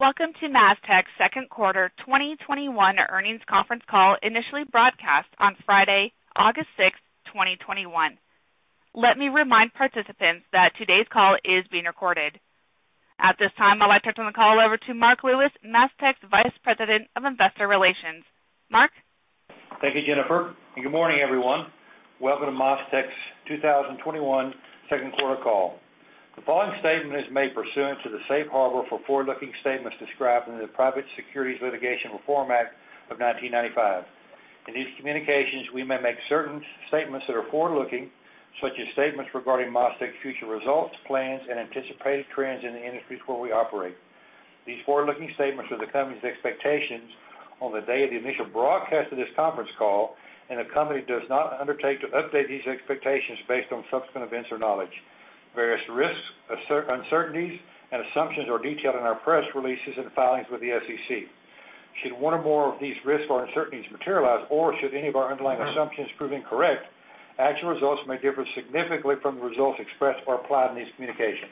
Welcome to MasTec's second quarter 2021 earnings conference call, initially broadcast on Friday, August 6th, 2021. Let me remind participants that today's call is being recorded. At this time, I'd like to turn the call over to Marc Lewis, MasTec's Vice President of Investor Relations. Marc? Thank you, Jennifer, and good morning, everyone. Welcome to MasTec's 2021 second quarter call. The following statement is made pursuant to the safe harbor for forward-looking statements described in the Private Securities Litigation Reform Act of 1995. In these communications, we may make certain statements that are forward-looking, such as statements regarding MasTec's future results, plans, and anticipated trends in the industries where we operate. These forward-looking statements are the company's expectations on the day of the initial broadcast of this conference call, and the company does not undertake to update these expectations based on subsequent events or knowledge. Various risks, uncertainties, and assumptions are detailed in our press releases and filings with the SEC. Should one or more of these risks or uncertainties materialize, or should any of our underlying assumptions prove incorrect, actual results may differ significantly from the results expressed or implied in these communications.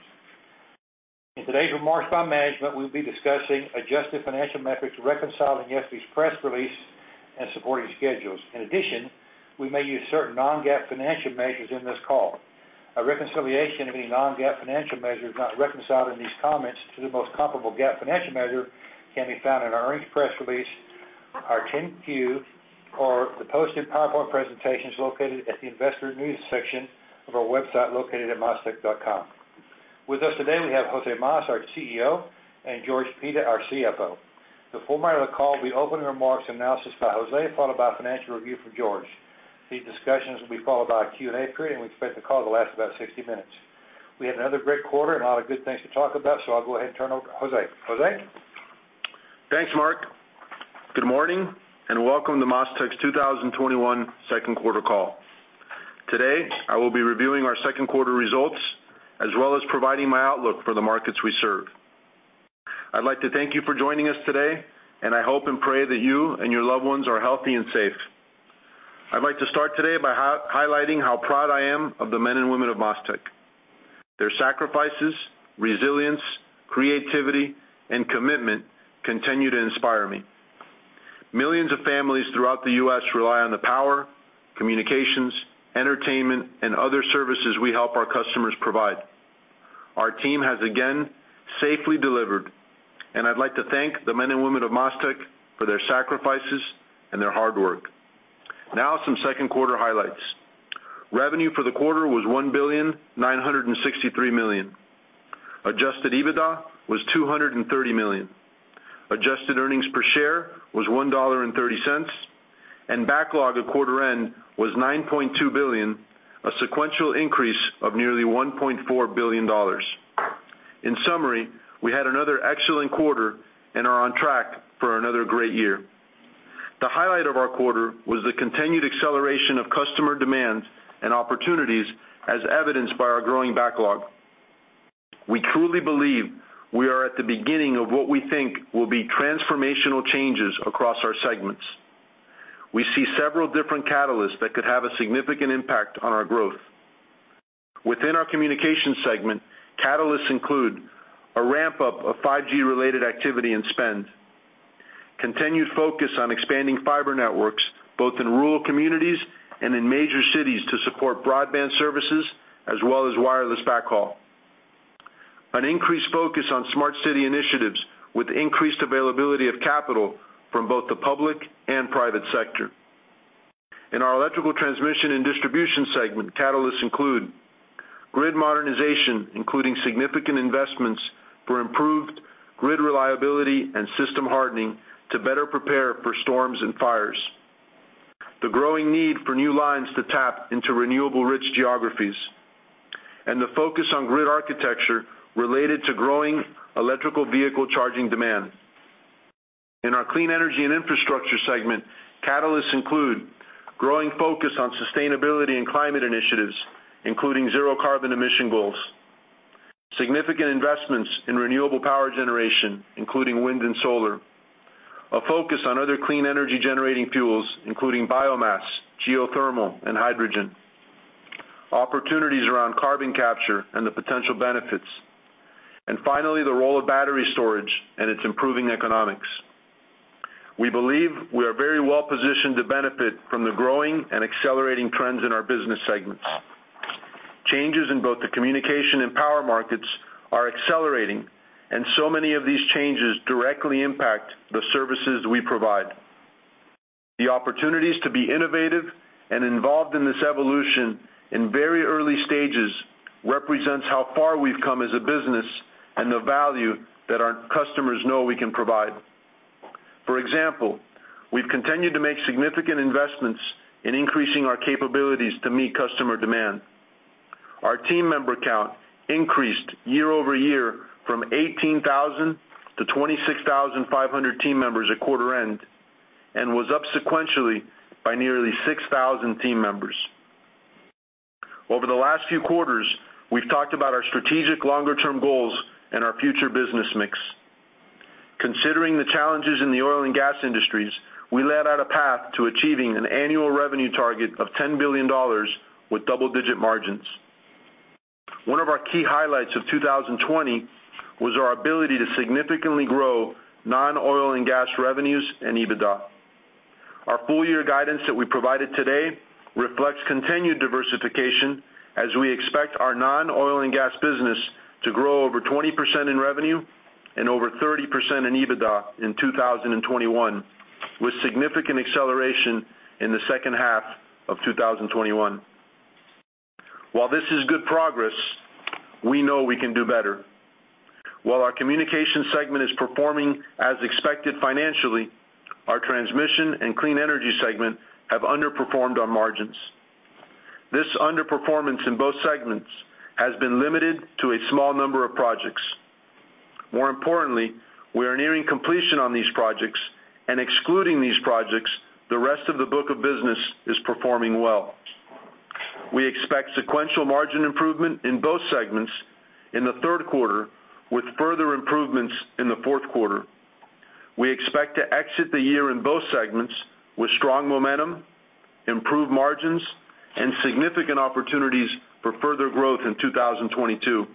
In today's remarks by management, we'll be discussing adjusted financial metrics reconciling yesterday's press release and supporting schedules. In addition, we may use certain non-GAAP financial measures in this call. A reconciliation of any non-GAAP financial measures not reconciled in these comments to the most comparable GAAP financial measure can be found in our earnings press release, our 10-Q, or the posted PowerPoint presentations located at the investor news section of our website located at mastec.com. With us today, we have Jose Mas, our CEO, and George Pita, our CFO. The format of the call will be opening remarks and analysis by Jose, followed by a financial review from George. These discussions will be followed by a Q&A period. We expect the call to last about 60 minutes. We had another great quarter and a lot of good things to talk about. I'll go ahead and turn it over to Jose. Jose? Thanks, Marc Lewis. Good morning, and welcome to MasTec's 2021 second quarter call. Today, I will be reviewing our second quarter results, as well as providing my outlook for the markets we serve. I'd like to thank you for joining us today. I hope and pray that you and your loved ones are healthy and safe. I'd like to start today by highlighting how proud I am of the men and women of MasTec. Their sacrifices, resilience, creativity, and commitment continue to inspire me. Millions of families throughout the U.S. rely on the power, communications, entertainment, and other services we help our customers provide. Our team has again safely delivered. I'd like to thank the men and women of MasTec for their sacrifices and their hard work. Now, some second quarter highlights. Revenue for the quarter was $1,963,000,000. Adjusted EBITDA was $230 million. Adjusted earnings per share was $1.30. Backlog at quarter end was $9.2 billion, a sequential increase of nearly $1.4 billion. In summary, we had another excellent quarter and are on track for another great year. The highlight of our quarter was the continued acceleration of customer demands and opportunities as evidenced by our growing backlog. We truly believe we are at the beginning of what we think will be transformational changes across our segments. We see several different catalysts that could have a significant impact on our growth. Within our communication segment, catalysts include a ramp-up of 5G-related activity and spend, continued focus on expanding fiber networks, both in rural communities and in major cities to support broadband services as well as wireless backhaul. An increased focus on smart city initiatives with increased availability of capital from both the public and private sector. In our electrical transmission and distribution segment, catalysts include grid modernization, including significant investments for improved grid reliability and system hardening to better prepare for storms and fires. The growing need for new lines to tap into renewable-rich geographies. The focus on grid architecture related to growing electrical vehicle charging demand. In our clean energy and infrastructure segment, catalysts include growing focus on sustainability and climate initiatives, including zero carbon emission goals. Significant investments in renewable power generation, including wind and solar. A focus on other clean energy-generating fuels, including biomass, geothermal, and hydrogen. Opportunities around carbon capture and the potential benefits. Finally, the role of battery storage and its improving economics. We believe we are very well-positioned to benefit from the growing and accelerating trends in our business segments. Changes in both the communication and power markets are accelerating, and so many of these changes directly impact the services we provide. The opportunities to be innovative and involved in this evolution in very early stages represents how far we've come as a business and the value that our customers know we can provide. For example, we've continued to make significant investments in increasing our capabilities to meet customer demand. Our team member count increased year-over-year from 18,000 to 26,500 team members at quarter end and was up sequentially by nearly 6,000 team members. Over the last few quarters, we've talked about our strategic longer-term goals and our future business mix. Considering the challenges in the oil and gas industries, we laid out a path to achieving an annual revenue target of $10 billion with double-digit margins. One of our key highlights of 2020 was our ability to significantly grow non-oil and gas revenues and EBITDA. Our full year guidance that we provided today reflects continued diversification as we expect our non-oil and gas business to grow over 20% in revenue and over 30% in EBITDA in 2021, with significant acceleration in the second half of 2021. While this is good progress, we know we can do better. While our communication segment is performing as expected financially, our transmission and clean energy segment have underperformed on margins. This underperformance in both segments has been limited to a small number of projects. More importantly, we are nearing completion on these projects and excluding these projects, the rest of the book of business is performing well. We expect sequential margin improvement in both segments in the third quarter, with further improvements in the fourth quarter. We expect to exit the year in both segments with strong momentum, improved margins, and significant opportunities for further growth in 2022.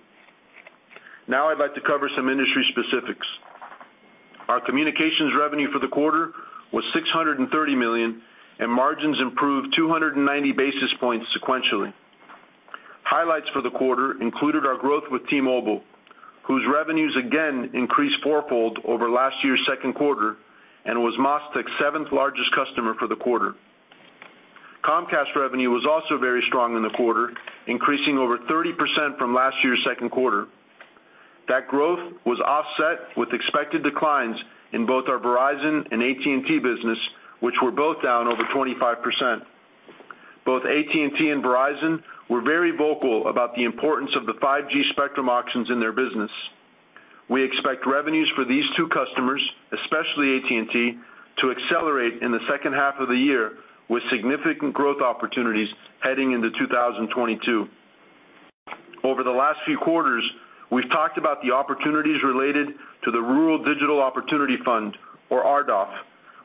Now I'd like to cover some industry specifics. Our communications revenue for the quarter was $630 million, and margins improved 290 basis points sequentially. Highlights for the quarter included our growth with T-Mobile, whose revenues again increased fourfold over last year's second quarter and was MasTec's seventh-largest customer for the quarter. Comcast revenue was also very strong in the quarter, increasing over 30% from last year's second quarter. That growth was offset with expected declines in both our Verizon and AT&T business, which were both down over 25%. Both AT&T and Verizon were very vocal about the importance of the 5G spectrum auctions in their business. We expect revenues for these two customers, especially AT&T, to accelerate in the second half of the year, with significant growth opportunities heading into 2022. Over the last few quarters, we've talked about the opportunities related to the Rural Digital Opportunity Fund, or RDOF,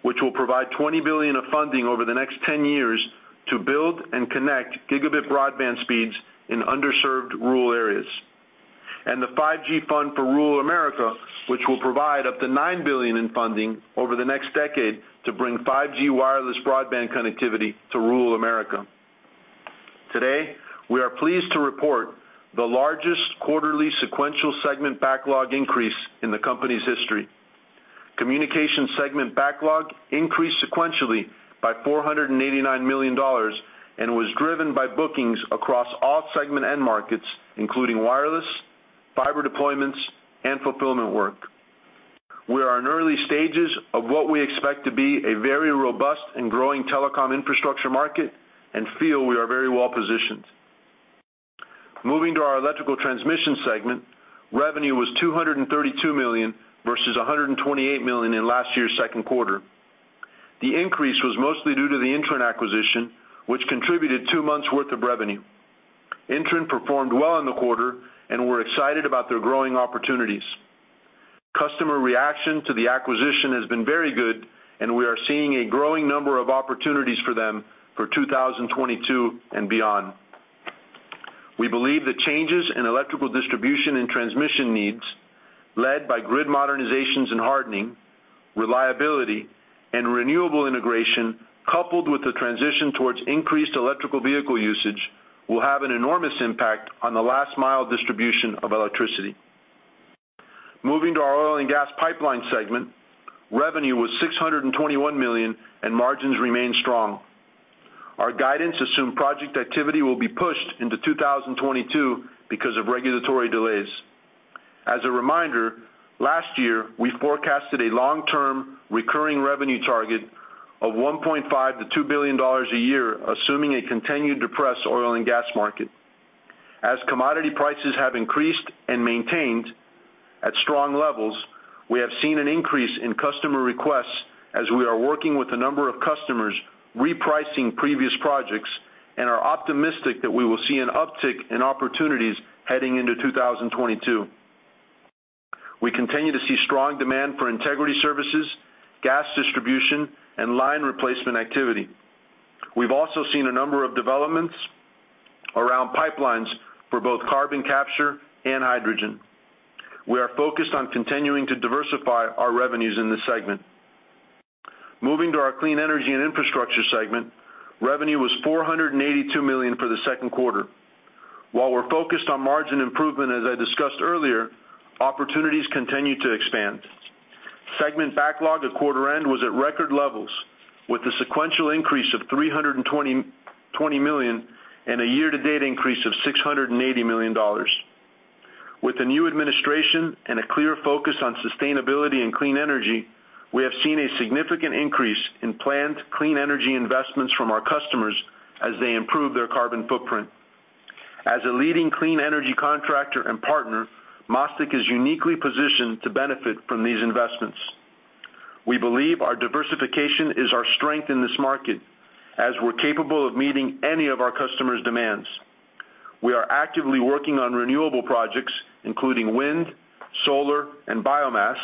which will provide $20 billion of funding over the next 10 years to build and connect gigabit broadband speeds in underserved rural areas. The 5G Fund for Rural America, which will provide up to $9 billion in funding over the next decade to bring 5G wireless broadband connectivity to rural America. Today, we are pleased to report the largest quarterly sequential segment backlog increase in the company's history. Communication segment backlog increased sequentially by $489 million and was driven by bookings across all segment end markets, including wireless, fiber deployments, and fulfillment work. We are in early stages of what we expect to be a very robust and growing telecom infrastructure market and feel we are very well-positioned. Moving to our Electrical Transmission segment, revenue was $232 million versus $128 million in last year's second quarter. The increase was mostly due to the INTREN acquisition, which contributed two months' worth of revenue. INTREN performed well in the quarter, and we're excited about their growing opportunities. Customer reaction to the acquisition has been very good, and we are seeing a growing number of opportunities for them for 2022 and beyond. We believe the changes in electrical distribution and transmission needs, led by grid modernizations and hardening, reliability, and renewable integration, coupled with the transition towards increased electrical vehicle usage, will have an enormous impact on the last mile distribution of electricity. Moving to our oil and gas pipeline segment, revenue was $621 million and margins remain strong. Our guidance assumed project activity will be pushed into 2022 because of regulatory delays. As a reminder, last year, we forecasted a long-term recurring revenue target of $1.5 billion-$2 billion a year, assuming a continued depressed oil and gas market. As commodity prices have increased and maintained at strong levels, we have seen an increase in customer requests as we are working with a number of customers repricing previous projects and are optimistic that we will see an uptick in opportunities heading into 2022. We continue to see strong demand for integrity services, gas distribution, and line replacement activity. We've also seen a number of developments around pipelines for both carbon capture and hydrogen. We are focused on continuing to diversify our revenues in this segment. Moving to our Clean Energy and Infrastructure segment, revenue was $482 million for the second quarter. While we're focused on margin improvement, as I discussed earlier, opportunities continue to expand. Segment backlog at quarter end was at record levels with a sequential increase of $320 million and a year to date increase of $680 million. With the new administration and a clear focus on sustainability and clean energy, we have seen a significant increase in planned clean energy investments from our customers as they improve their carbon footprint. As a leading clean energy contractor and partner, MasTec is uniquely positioned to benefit from these investments. We believe our diversification is our strength in this market, as we're capable of meeting any of our customers' demands. We are actively working on renewable projects, including wind, solar, and biomass,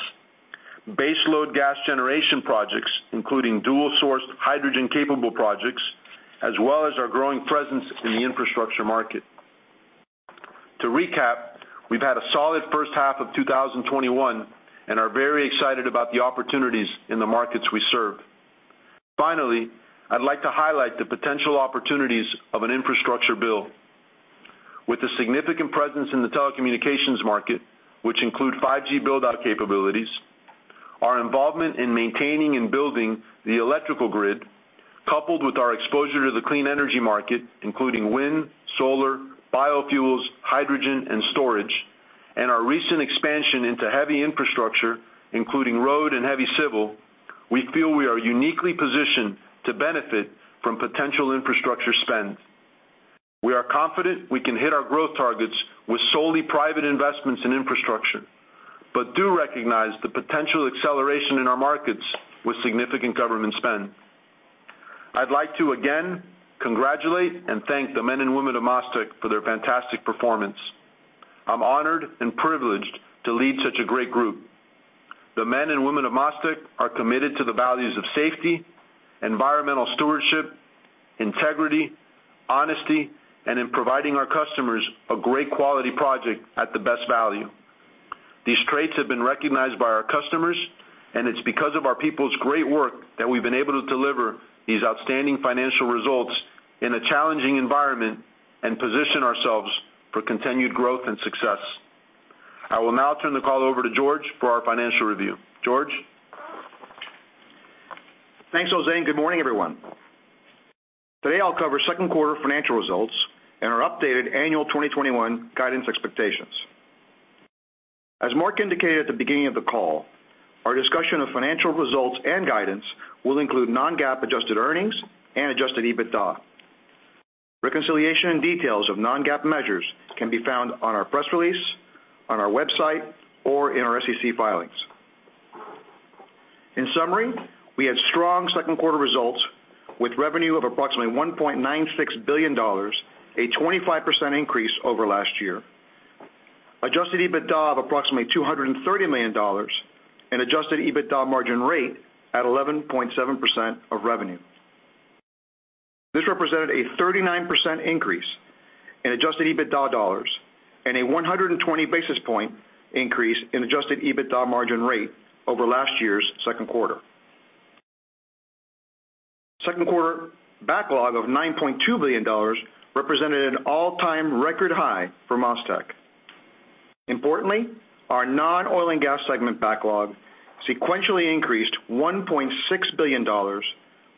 baseload gas generation projects, including dual-sourced hydrogen-capable projects, as well as our growing presence in the infrastructure market. To recap, we've had a solid first half of 2021 and are very excited about the opportunities in the markets we serve. Finally, I'd like to highlight the potential opportunities of an infrastructure bill. With a significant presence in the telecommunications market, which include 5G build-out capabilities, our involvement in maintaining and building the electrical grid, coupled with our exposure to the clean energy market, including wind, solar, biofuels, hydrogen, and storage, and our recent expansion into heavy infrastructure, including road and heavy civil, we feel we are uniquely positioned to benefit from potential infrastructure spend. We are confident we can hit our growth targets with solely private investments in infrastructure, but do recognize the potential acceleration in our markets with significant government spend. I'd like to again congratulate and thank the men and women of MasTec for their fantastic performance. I'm honored and privileged to lead such a great group. The men and women of MasTec are committed to the values of safety, environmental stewardship, integrity, honesty, and in providing our customers a great quality project at the best value. These traits have been recognized by our customers, and it's because of our people's great work that we've been able to deliver these outstanding financial results in a challenging environment and position ourselves for continued growth and success. I will now turn the call over to George for our financial review. George? Thanks, Jose. Good morning, everyone. Today, I'll cover second quarter financial results and our updated annual 2021 guidance expectations. As Marc indicated at the beginning of the call, our discussion of financial results and guidance will include non-GAAP adjusted earnings and adjusted EBITDA. Reconciliation and details of non-GAAP measures can be found on our press release, on our website, or in our SEC filings. In summary, we had strong second quarter results with revenue of approximately $1.96 billion, a 25% increase over last year. Adjusted EBITDA of approximately $230 million and adjusted EBITDA margin rate at 11.7% of revenue. This represented a 39% increase in adjusted EBITDA dollars and a 120 basis point increase in adjusted EBITDA margin rate over last year's second quarter. Second quarter backlog of $9.2 billion represented an all-time record high for MasTec. Importantly, our non-oil and gas segment backlog sequentially increased $1.6 billion,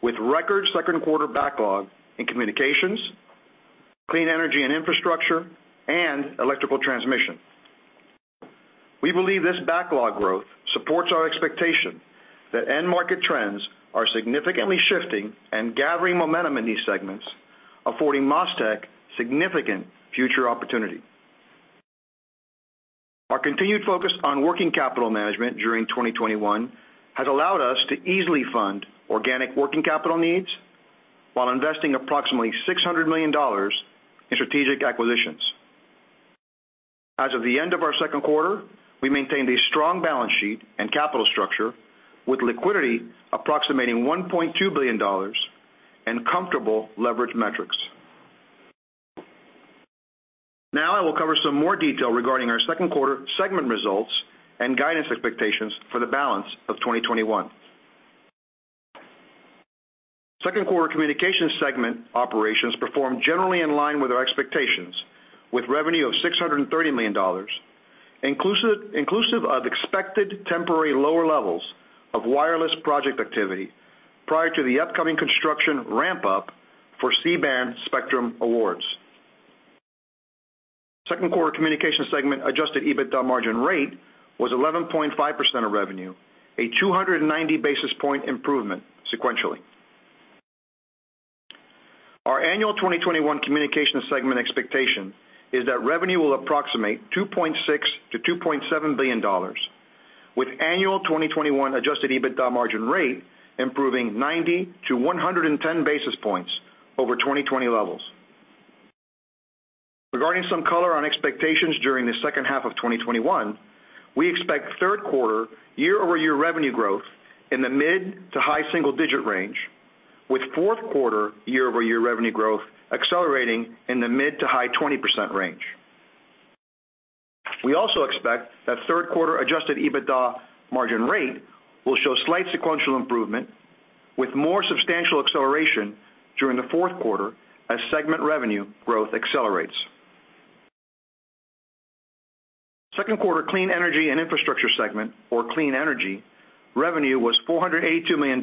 with record second quarter backlog in Communications, Clean Energy and Infrastructure, and Electrical Transmission. We believe this backlog growth supports our expectation that end market trends are significantly shifting and gathering momentum in these segments, affording MasTec significant future opportunity. Our continued focus on working capital management during 2021 has allowed us to easily fund organic working capital needs while investing approximately $600 million in strategic acquisitions. As of the end of our second quarter, we maintained a strong balance sheet and capital structure with liquidity approximating $1.2 billion and comfortable leverage metrics. Now I will cover some more detail regarding our second quarter segment results and guidance expectations for the balance of 2021. Second quarter communications segment operations performed generally in line with our expectations, with revenue of $630 million, inclusive of expected temporary lower levels of wireless project activity prior to the upcoming construction ramp-up for C-band spectrum awards. Second quarter communications segment adjusted EBITDA margin rate was 11.5% of revenue, a 290 basis point improvement sequentially. Our annual 2021 communications segment expectation is that revenue will approximate $2.6 billion-$2.7 billion, with annual 2021 adjusted EBITDA margin rate improving 90-110 basis points over 2020 levels. Regarding some color on expectations during the second half of 2021, we expect third quarter year-over-year revenue growth in the mid-to-high single-digit range, with fourth quarter year-over-year revenue growth accelerating in the mid-to-high 20% range. We also expect that third quarter adjusted EBITDA margin rate will show slight sequential improvement, with more substantial acceleration during the fourth quarter as segment revenue growth accelerates. Second quarter clean energy and infrastructure segment, or clean energy, revenue was $482 million,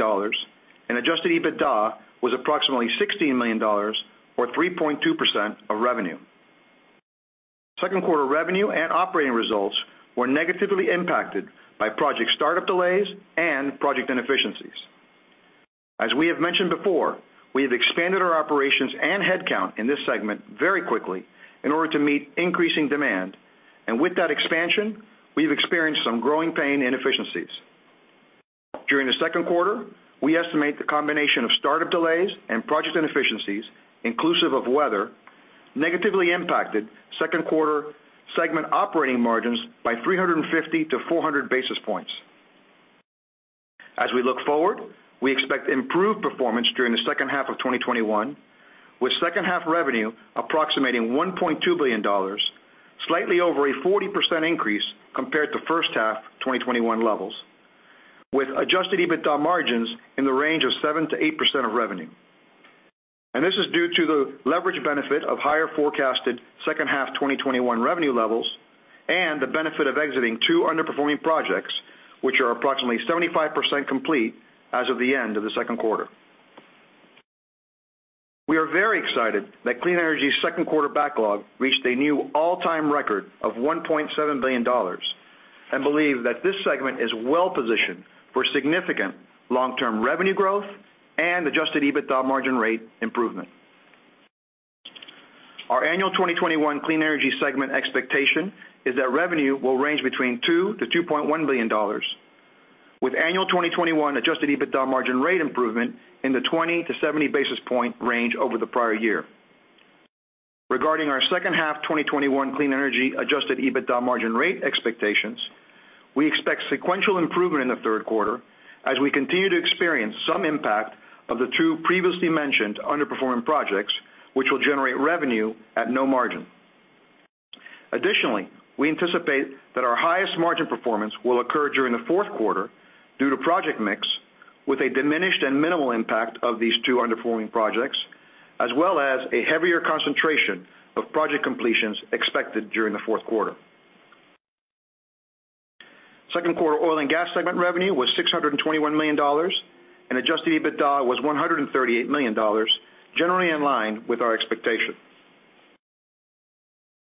and adjusted EBITDA was approximately $16 million, or 3.2% of revenue. Second quarter revenue and operating results were negatively impacted by project startup delays and project inefficiencies. As we have mentioned before, we have expanded our operations and headcount in this segment very quickly in order to meet increasing demand. With that expansion, we've experienced some growing pain inefficiencies. During the second quarter, we estimate the combination of startup delays and project inefficiencies, inclusive of weather, negatively impacted second quarter segment operating margins by 350-400 basis points. As we look forward, we expect improved performance during the second half of 2021, with second half revenue approximating $1.2 billion, slightly over a 40% increase compared to first half 2021 levels, with adjusted EBITDA margins in the range of 7%-8% of revenue. This is due to the leverage benefit of higher forecasted second half 2021 revenue levels and the benefit of exiting two underperforming projects, which are approximately 75% complete as of the end of the second quarter. We are very excited that Clean Energy's second quarter backlog reached a new all-time record of $1.7 billion and believe that this segment is well-positioned for significant long-term revenue growth and adjusted EBITDA margin rate improvement. Our annual 2021 Clean Energy segment expectation is that revenue will range between $2 billion-$2.1 billion, with annual 2021 adjusted EBITDA margin rate improvement in the 20-70 basis point range over the prior year. Regarding our second half 2021 Clean Energy adjusted EBITDA margin rate expectations, we expect sequential improvement in the third quarter as we continue to experience some impact of the two previously mentioned underperforming projects, which will generate revenue at no margin. Additionally, we anticipate that our highest margin performance will occur during the fourth quarter due to project mix, with a diminished and minimal impact of these two underperforming projects, as well as a heavier concentration of project completions expected during the fourth quarter. Second quarter Oil and Gas segment revenue was $621 million, and adjusted EBITDA was $138 million, generally in line with our expectation.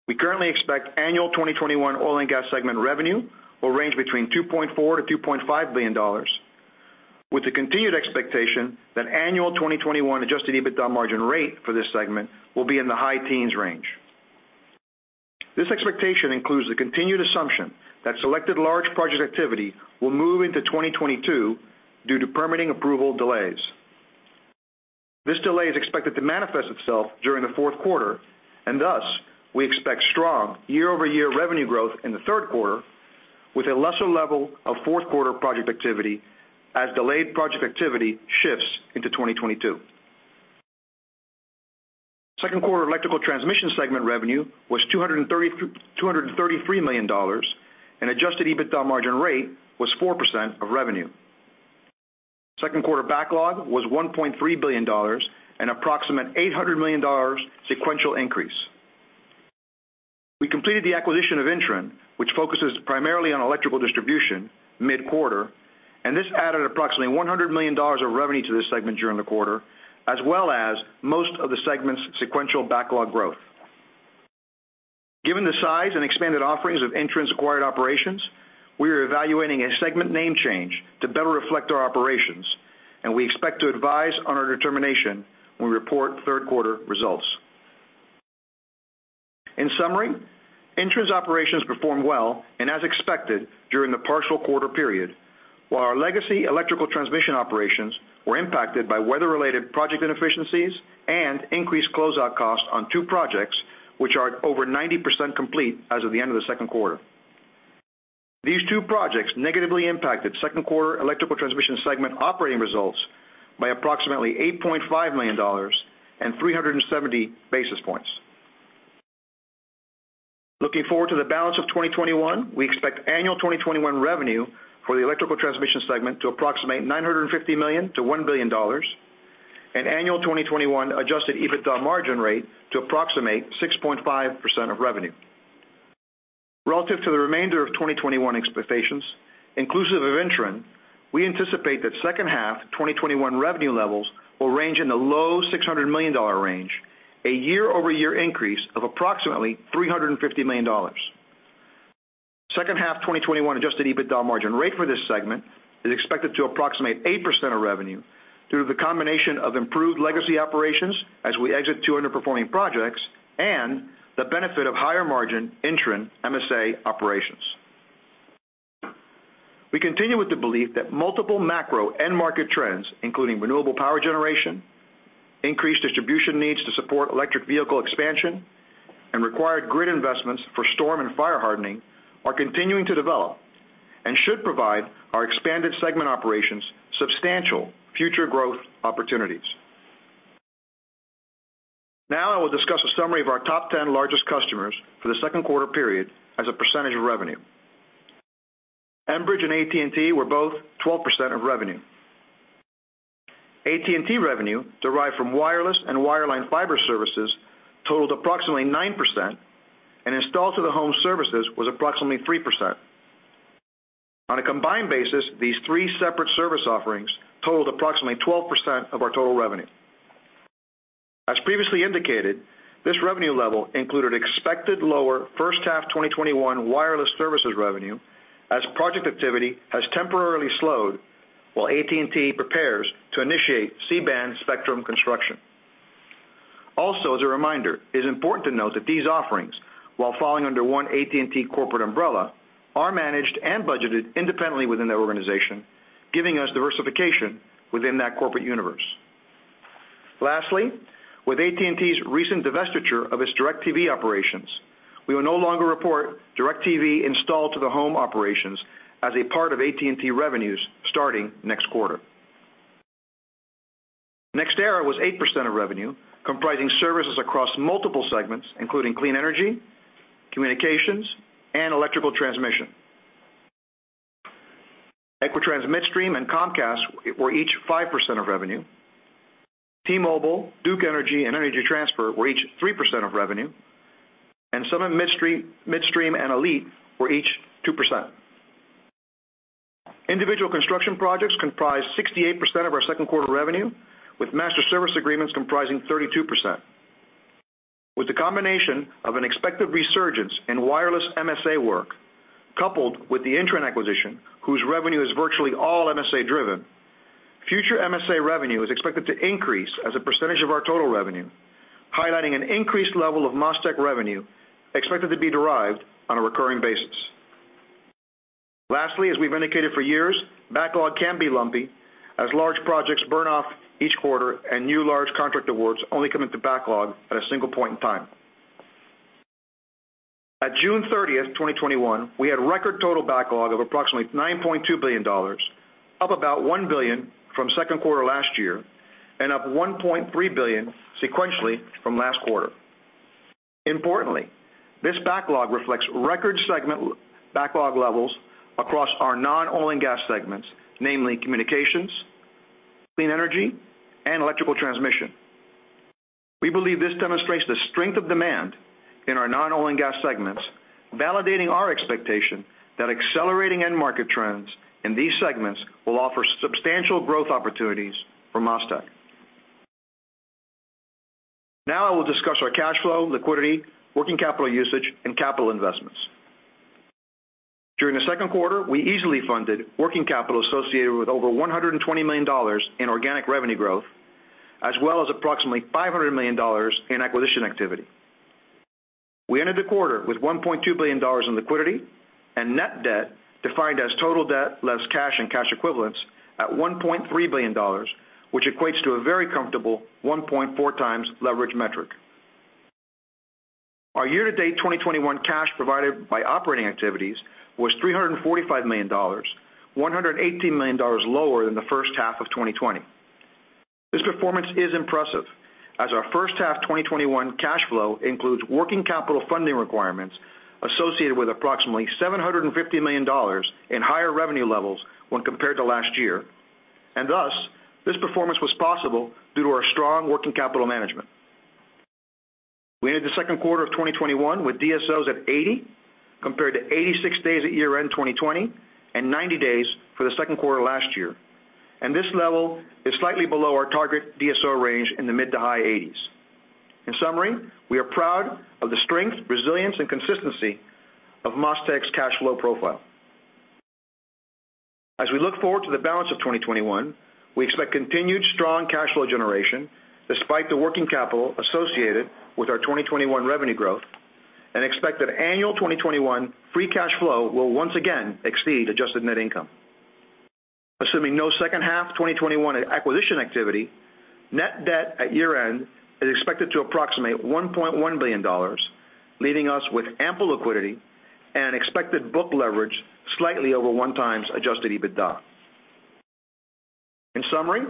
We currently expect annual 2021 Oil and Gas segment revenue will range between $2.4 billion-$2.5 billion, with the continued expectation that annual 2021 adjusted EBITDA margin rate for this segment will be in the high teens range. This expectation includes the continued assumption that selected large project activity will move into 2022 due to permitting approval delays. This delay is expected to manifest itself during the fourth quarter, and thus, we expect strong year-over-year revenue growth in the third quarter with a lesser level of fourth quarter project activity as delayed project activity shifts into 2022. Second quarter Electrical Transmission segment revenue was $233 million, and adjusted EBITDA margin rate was 4% of revenue. Second quarter backlog was $1.3 billion, an approximate $800 million sequential increase. We completed the acquisition of INTREN, which focuses primarily on electrical distribution mid-quarter, and this added approximately $100 million of revenue to this segment during the quarter, as well as most of the segment's sequential backlog growth. Given the size and expanded offerings of INTREN's acquired operations, we are evaluating a segment name change to better reflect our operations, and we expect to advise on our determination when we report third quarter results. In summary, INTREN's operations performed well and as expected during the partial quarter period, while our legacy electrical transmission operations were impacted by weather-related project inefficiencies and increased closeout costs on two projects, which are over 90% complete as of the end of the second quarter. These two projects negatively impacted second quarter electrical transmission segment operating results by approximately $8.5 million and 370 basis points. Looking forward to the balance of 2021, we expect annual 2021 revenue for the electrical transmission segment to approximate $950 million-$1 billion, and annual 2021 adjusted EBITDA margin rate to approximate 6.5% of revenue. Relative to the remainder of 2021 expectations, inclusive of INTREN, we anticipate that second half 2021 revenue levels will range in the low $600 million range, a year-over-year increase of approximately $350 million. Second half 2021 adjusted EBITDA margin rate for this segment is expected to approximate 8% of revenue through the combination of improved legacy operations as we exit two underperforming projects and the benefit of higher margin INTREN MSA operations. We continue with the belief that multiple macro end market trends, including renewable power generation, increased distribution needs to support electric vehicle expansion, and required grid investments for storm and fire hardening, are continuing to develop and should provide our expanded segment operations substantial future growth opportunities. Now I will discuss a summary of our top 10 largest customers for the second quarter period as a percentage of revenue. Enbridge and AT&T were both 12% of revenue. AT&T revenue, derived from wireless and wireline fiber services, totaled approximately 9%, and installed to the home services was approximately 3%. On a combined basis, these three separate service offerings totaled approximately 12% of our total revenue. As previously indicated, this revenue level included expected lower first half 2021 wireless services revenue, as project activity has temporarily slowed while AT&T prepares to initiate C-band spectrum construction. As a reminder, it is important to note that these offerings, while falling under one AT&T corporate umbrella, are managed and budgeted independently within the organization, giving us diversification within that corporate universe. Lastly, with AT&T's recent divestiture of its DIRECTV operations, we will no longer report DIRECTV installed to the home operations as a part of AT&T revenues starting next quarter. NextEra was 8% of revenue, comprising services across multiple segments, including clean energy, communications, and electrical transmission. Equitrans Midstream and Comcast were each 5% of revenue. T-Mobile, Duke Energy, and Energy Transfer were each 3% of revenue, and Summit Midstream and ALLETE were each 2%. Individual construction projects comprised 68% of our second quarter revenue, with master service agreements comprising 32%. With the combination of an expected resurgence in wireless MSA work, coupled with the INTREN acquisition, whose revenue is virtually all MSA-driven, future MSA revenue is expected to increase as a percentage of our total revenue, highlighting an increased level of MasTec revenue expected to be derived on a recurring basis. Lastly, as we've indicated for years, backlog can be lumpy as large projects burn off each quarter and new large contract awards only come into backlog at a single point in time. At June 30th, 2021, we had record total backlog of approximately $9.2 billion, up about $1 billion from second quarter last year and up $1.3 billion sequentially from last quarter. Importantly, this backlog reflects record segment backlog levels across our non-oil and gas segments, namely communications, clean energy, and electrical transmission. We believe this demonstrates the strength of demand in our non-oil and gas segments, validating our expectation that accelerating end market trends in these segments will offer substantial growth opportunities for MasTec. I will discuss our cash flow, liquidity, working capital usage, and capital investments. During the second quarter, we easily funded working capital associated with over $120 million in organic revenue growth, as well as approximately $500 million in acquisition activity. We ended the quarter with $1.2 billion in liquidity and net debt defined as total debt less cash and cash equivalents at $1.3 billion, which equates to a very comfortable 1.4x leverage metric. Our year-to-date 2021 cash provided by operating activities was $345 million, $118 million lower than the first half of 2020. This performance is impressive as our first half 2021 cash flow includes working capital funding requirements associated with approximately $750 million in higher revenue levels when compared to last year. This performance was possible due to our strong working capital management. We ended the second quarter of 2021 with DSOs at 80, compared to 86 days at year-end 2020 and 90 days for the second quarter last year. This level is slightly below our target DSO range in the mid to high 80s. In summary, we are proud of the strength, resilience, and consistency of MasTec's cash flow profile. As we look forward to the balance of 2021, we expect continued strong cash flow generation despite the working capital associated with our 2021 revenue growth and expect that annual 2021 free cash flow will once again exceed adjusted net income. Assuming no second half 2021 acquisition activity, net debt at year-end is expected to approximate $1.1 billion, leaving us with ample liquidity and an expected book leverage slightly over 1x adjusted EBITDA. In summary,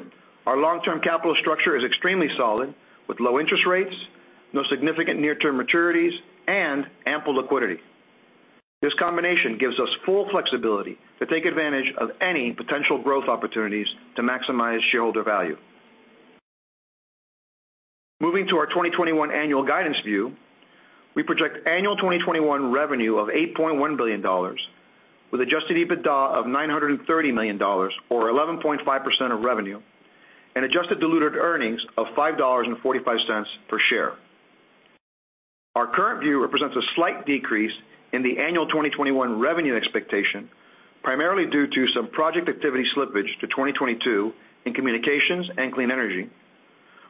our long-term capital structure is extremely solid with low interest rates, no significant near-term maturities, and ample liquidity. This combination gives us full flexibility to take advantage of any potential growth opportunities to maximize shareholder value. Moving to our 2021 annual guidance view, we project annual 2021 revenue of $8.1 billion with adjusted EBITDA of $930 million or 11.5% of revenue and adjusted diluted earnings of $5.45 per share. Our current view represents a slight decrease in the annual 2021 revenue expectation, primarily due to some project activity slippage to 2022 in communications and clean energy,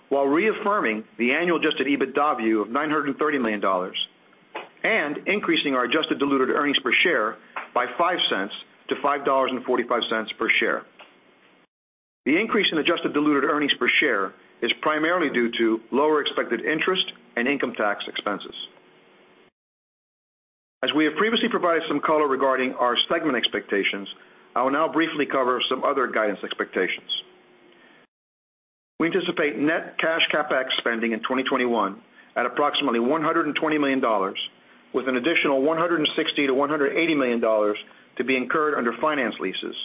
while reaffirming the annual adjusted EBITDA view of $930 million and increasing our adjusted diluted earnings per share by $0.05 to $5.45 per share. The increase in adjusted diluted earnings per share is primarily due to lower expected interest and income tax expenses. As we have previously provided some color regarding our segment expectations, I will now briefly cover some other guidance expectations. We anticipate net cash CapEx spending in 2021 at approximately $120 million, with an additional $160 million-$180 million to be incurred under finance leases.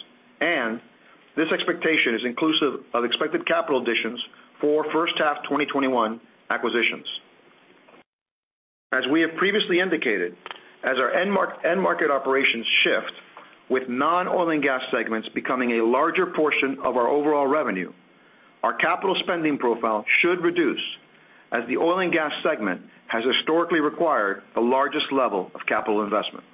This expectation is inclusive of expected capital additions for first half 2021 acquisitions. As we have previously indicated, as our end market operations shift with non-oil and gas segments becoming a larger portion of our overall revenue, our capital spending profile should reduce as the oil and gas segment has historically required the largest level of capital investment.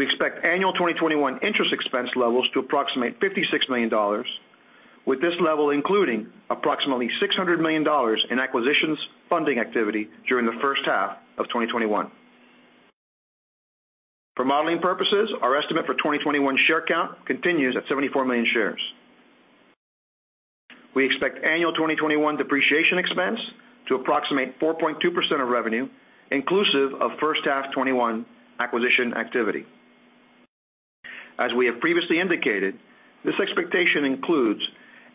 We expect annual 2021 interest expense levels to approximate $56 million, with this level including approximately $600 million in acquisitions funding activity during the first half of 2021. For modeling purposes, our estimate for 2021 share count continues at 74 million shares. We expect annual 2021 depreciation expense to approximate 4.2% of revenue, inclusive of first half 2021 acquisition activity. As we have previously indicated, this expectation includes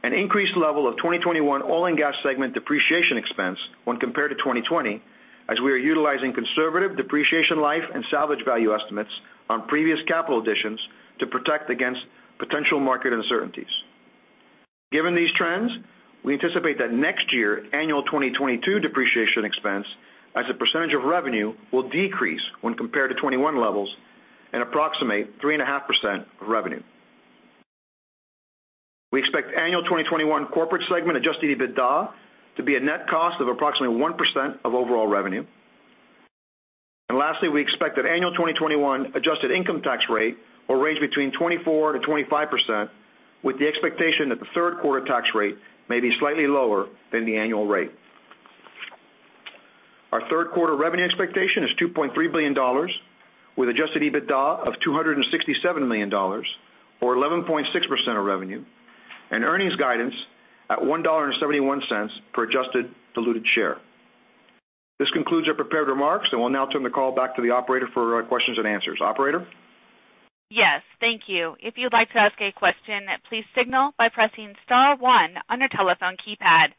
an increased level of 2021 oil and gas segment depreciation expense when compared to 2020, as we are utilizing conservative depreciation life and salvage value estimates on previous capital additions to protect against potential market uncertainties. Given these trends, we anticipate that next year, annual 2022 depreciation expense as a percentage of revenue will decrease when compared to 2021 levels and approximate 3.5% of revenue. We expect annual 2021 corporate segment adjusted EBITDA to be a net cost of approximately 1% of overall revenue. Lastly, we expect that annual 2021 adjusted income tax rate will range between 24%-25%, with the expectation that the third quarter tax rate may be slightly lower than the annual rate. Our third quarter revenue expectation is $2.3 billion, with adjusted EBITDA of $267 million, or 11.6% of revenue, and earnings guidance at $1.71 per adjusted diluted share. This concludes our prepared remarks, and we'll now turn the call back to the operator for questions and answers. Operator? Yes. Thank you. If you'd like to ask a question, please signal by pressing star one on your telephone keypad.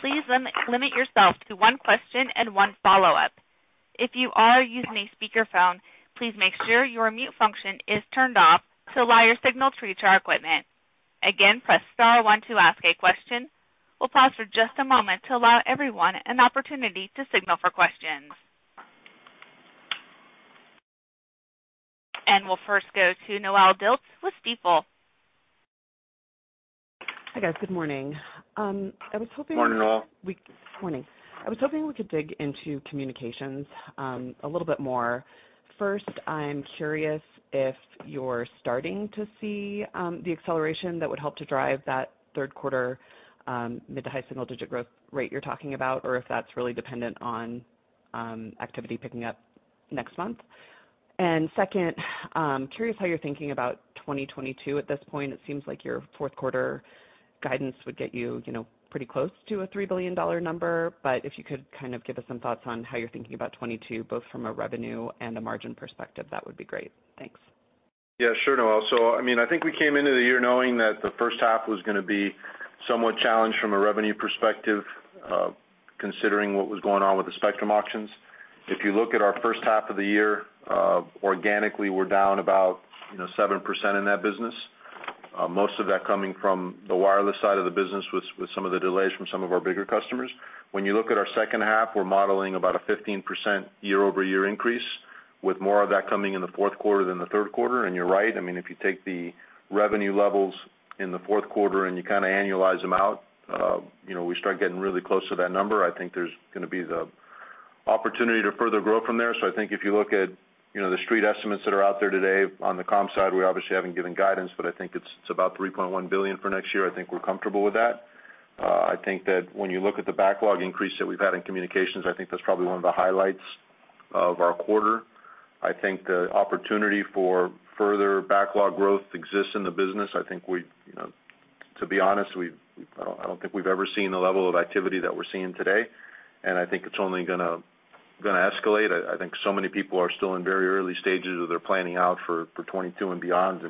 Please limit yourself to one question and one follow-up. If you are using a speakerphone, please make sure your mute function is turned off to allow your signal to reach our equipment. Again, press star one to ask a question. We'll pause for just a moment to allow everyone an opportunity to signal for questions. We'll first go to Noelle Dilts with Stifel. Hi, guys. Good morning. I was. Morning, Noelle. Morning. I was hoping we could dig into communications a little bit more. First, I'm curious if you're starting to see the acceleration that would help to drive that third quarter mid to high single-digit growth rate you're talking about, or if that's really dependent on activity picking up next month. Second, curious how you're thinking about 2022 at this point. It seems like your fourth quarter guidance would get you pretty close to a $3 billion number, but if you could kind of give us some thoughts on how you're thinking about 2022, both from a revenue and a margin perspective, that would be great. Thanks. Yeah, sure, Noelle. I think we came into the year knowing that the first half was going to be somewhat challenged from a revenue perspective, considering what was going on with the spectrum auctions. If you look at our first half of the year, organically, we're down about 7% in that business. Most of that coming from the wireless side of the business, with some of the delays from some of our bigger customers. When you look at our second half, we're modeling about a 15% year-over-year increase, with more of that coming in the fourth quarter than the third quarter. You're right, if you take the revenue levels in the fourth quarter and you annualize them out, we start getting really close to that number. I think there's going to be the opportunity to further grow from there. I think if you look at the Street estimates that are out there today on the comms side, we obviously haven't given guidance, but I think it's about $3.1 billion for next year. I think we're comfortable with that. I think that when you look at the backlog increase that we've had in communications, I think that's probably one of the highlights of our quarter. I think the opportunity for further backlog growth exists in the business. To be honest, I don't think we've ever seen the level of activity that we're seeing today, and I think it's only gonna escalate. I think so many people are still in very early stages of their planning out for 2022 and beyond.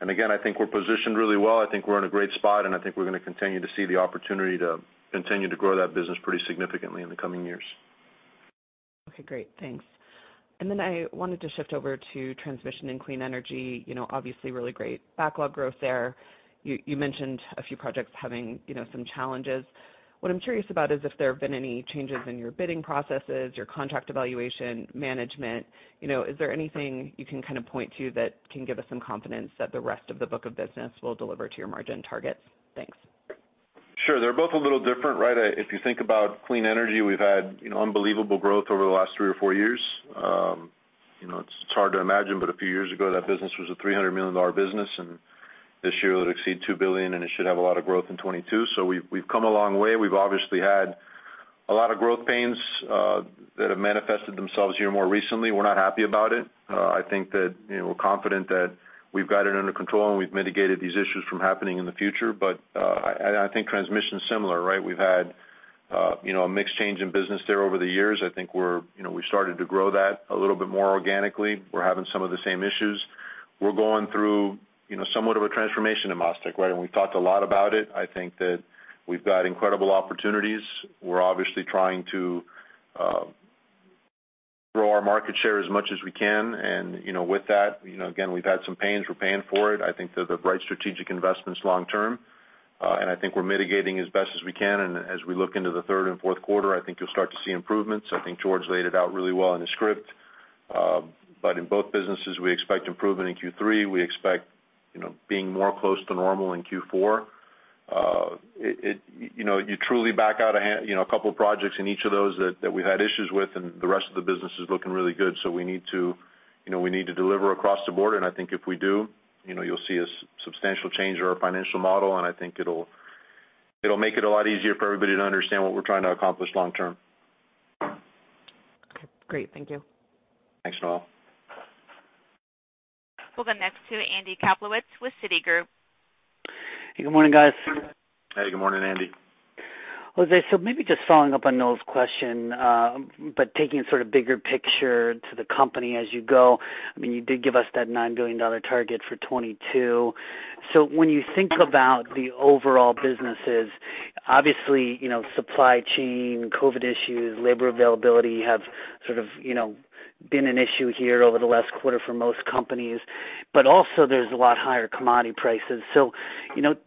Again, I think we're positioned really well. I think we're in a great spot, and I think we're gonna continue to see the opportunity to continue to grow that business pretty significantly in the coming years. Okay, great. Thanks. Then I wanted to shift over to transmission and clean energy. Obviously, really great backlog growth there. You mentioned a few projects having some challenges. What I'm curious about is if there have been any changes in your bidding processes, your contract evaluation management. Is there anything you can kind of point to that can give us some confidence that the rest of the book of business will deliver to your margin targets? Thanks. Sure. They're both a little different, right? If you think about clean energy, we've had unbelievable growth over the last three or four years. It's hard to imagine, but a few years ago, that business was a $300 million business, and this year it'll exceed $2 billion, and it should have a lot of growth in 2022. We've come a long way. We've obviously had a lot of growth pains that have manifested themselves here more recently. We're not happy about it. I think that we're confident that we've got it under control, and we've mitigated these issues from happening in the future. I think transmission's similar, right? We've had a mixed change in business there over the years. I think we've started to grow that a little bit more organically. We're having some of the same issues. We're going through somewhat of a transformation at MasTec, right? We've talked a lot about it. I think that we've got incredible opportunities. We're obviously trying to grow our market share as much as we can. With that, again, we've had some pains. We're paying for it. I think they're the right strategic investments long term, and I think we're mitigating as best as we can. As we look into the third and fourth quarter, I think you'll start to see improvements. I think George laid it out really well in his script. In both businesses, we expect improvement in Q3. We expect being closer to normal in Q4. You truly back out a couple projects in each of those that we've had issues with, and the rest of the business is looking really good. We need to deliver across the board, and I think if we do, you'll see a substantial change in our financial model, and I think it'll make it a lot easier for everybody to understand what we're trying to accomplish long term. Okay, great. Thank you. Thanks, Noelle. We'll go next to Andy Kaplowitz with Citigroup. Good morning, guys. Good morning, Andy. Jose, maybe just following up on Noelle's question, but taking sort of bigger picture to the company as you go. You did give us that $9 billion target for 2022. When you think about the overall businesses, obviously, supply chain, COVID issues, labor availability have sort of been an issue here over the last quarter for most companies, but also there's a lot higher commodity prices. Do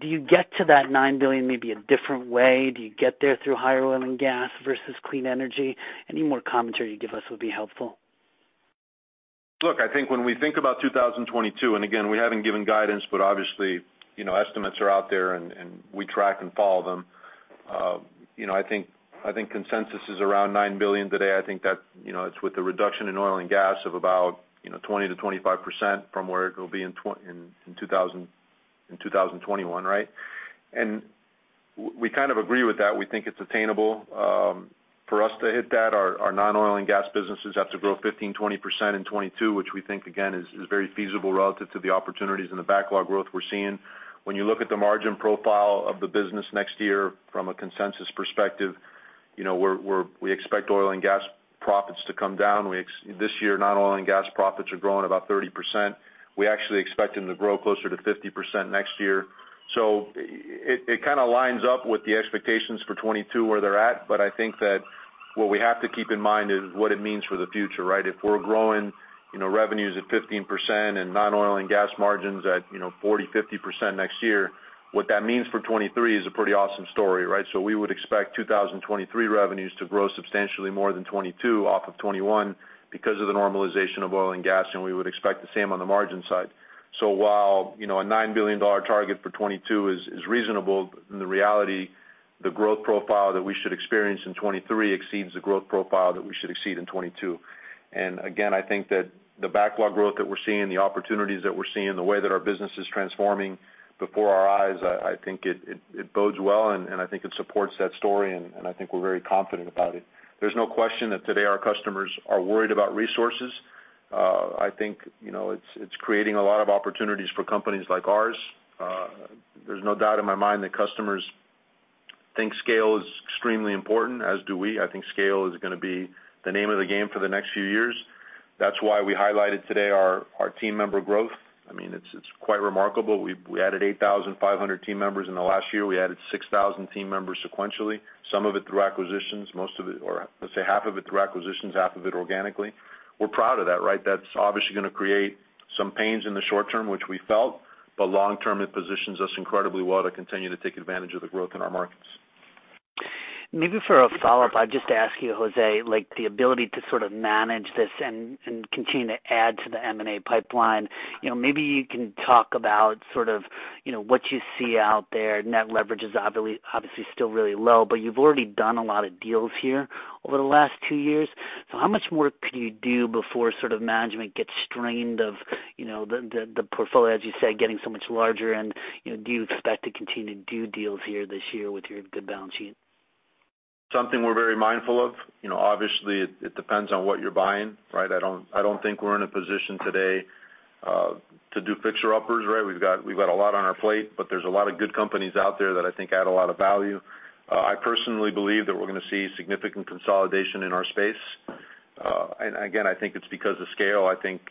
you get to that $9 billion maybe a different way? Do you get there through higher oil and gas versus clean energy? Any more commentary you give us would be helpful. Look, I think when we think about 2022, again, we haven't given guidance, obviously, estimates are out there and we track and follow them. I think consensus is around $9 billion today. I think that it's with the reduction in oil and gas of about 20%-25% from where it will be in 2021, right? We kind of agree with that. We think it's attainable for us to hit that. Our non-oil and gas businesses have to grow 15%-20% in 2022, which we think, again, is very feasible relative to the opportunities and the backlog growth we're seeing. When you look at the margin profile of the business next year from a consensus perspective, we expect oil and gas profits to come down. This year, non-oil and gas profits are growing about 30%. We actually expect them to grow closer to 50% next year. It kind of lines up with the expectations for 2022 where they're at, but I think that what we have to keep in mind is what it means for the future, right? If we're growing revenues at 15% and non-oil and gas margins at 40%, 50% next year, what that means for 2023 is a pretty awesome story, right? We would expect 2023 revenues to grow substantially more than 2022 off of 2021 because of the normalization of oil and gas, and we would expect the same on the margin side. While a $9 billion target for 2022 is reasonable, in the reality, the growth profile that we should experience in 2023 exceeds the growth profile that we should exceed in 2022. Again, I think that the backlog growth that we're seeing, the opportunities that we're seeing, the way that our business is transforming before our eyes, I think it bodes well, and I think it supports that story, and I think we're very confident about it. There's no question that today our customers are worried about resources. I think it's creating a lot of opportunities for companies like ours. There's no doubt in my mind that customers think scale is extremely important, as do we. I think scale is gonna be the name of the game for the next few years. That's why we highlighted today our team member growth. It's quite remarkable. We added 8,500 team members in the last year. We added 6,000 team members sequentially, some of it through acquisitions, most of it, or let's say half of it through acquisitions, half of it organically. We're proud of that, right? That's obviously gonna create some pains in the short term, which we felt, but long term, it positions us incredibly well to continue to take advantage of the growth in our markets. Maybe for a follow-up, I'd just ask you, Jose, like the ability to sort of manage this and continue to add to the M&A pipeline. Maybe you can talk about what you see out there. You've already done a lot of deals here over the last two years. How much more could you do before management gets strained of the portfolio, as you say, getting so much larger? Do you expect to continue to do deals here this year with your good balance sheet? Something we're very mindful of. Obviously, it depends on what you're buying, right? I don't think we're in a position today to do fixer-uppers, right? We've got a lot on our plate, but there's a lot of good companies out there that I think add a lot of value. I personally believe that we're gonna see significant consolidation in our space. Again, I think it's because of scale. I think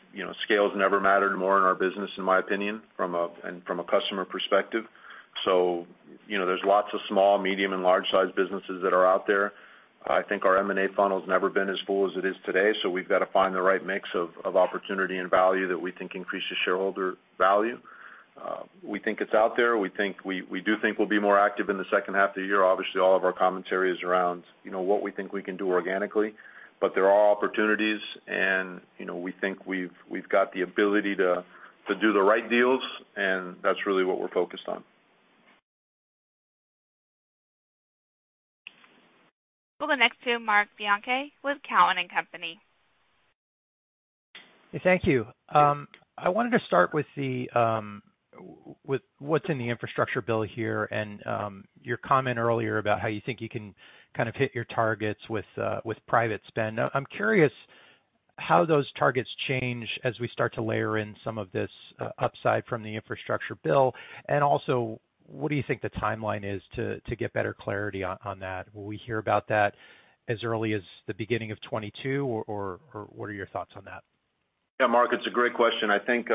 scales never mattered more in our business, in my opinion, and from a customer perspective. There's lots of small, medium, and large-sized businesses that are out there. I think our M&A funnel's never been as full as it is today, so we've got to find the right mix of opportunity and value that we think increases shareholder value. We think it's out there. We do think we'll be more active in the second half of the year. Obviously, all of our commentary is around what we think we can do organically. There are opportunities, and we think we've got the ability to do the right deals, and that's really what we're focused on. We'll go next to Marc Bianchi with Cowen and Company. Thank you. I wanted to start with what's in the infrastructure bill here and your comment earlier about how you think you can kind of hit your targets with private spend. I'm curious how those targets change as we start to layer in some of this upside from the infrastructure bill. What do you think the timeline is to get better clarity on that? Will we hear about that as early as the beginning of 2022, or what are your thoughts on that? Yeah, Marc, it's a great question. I think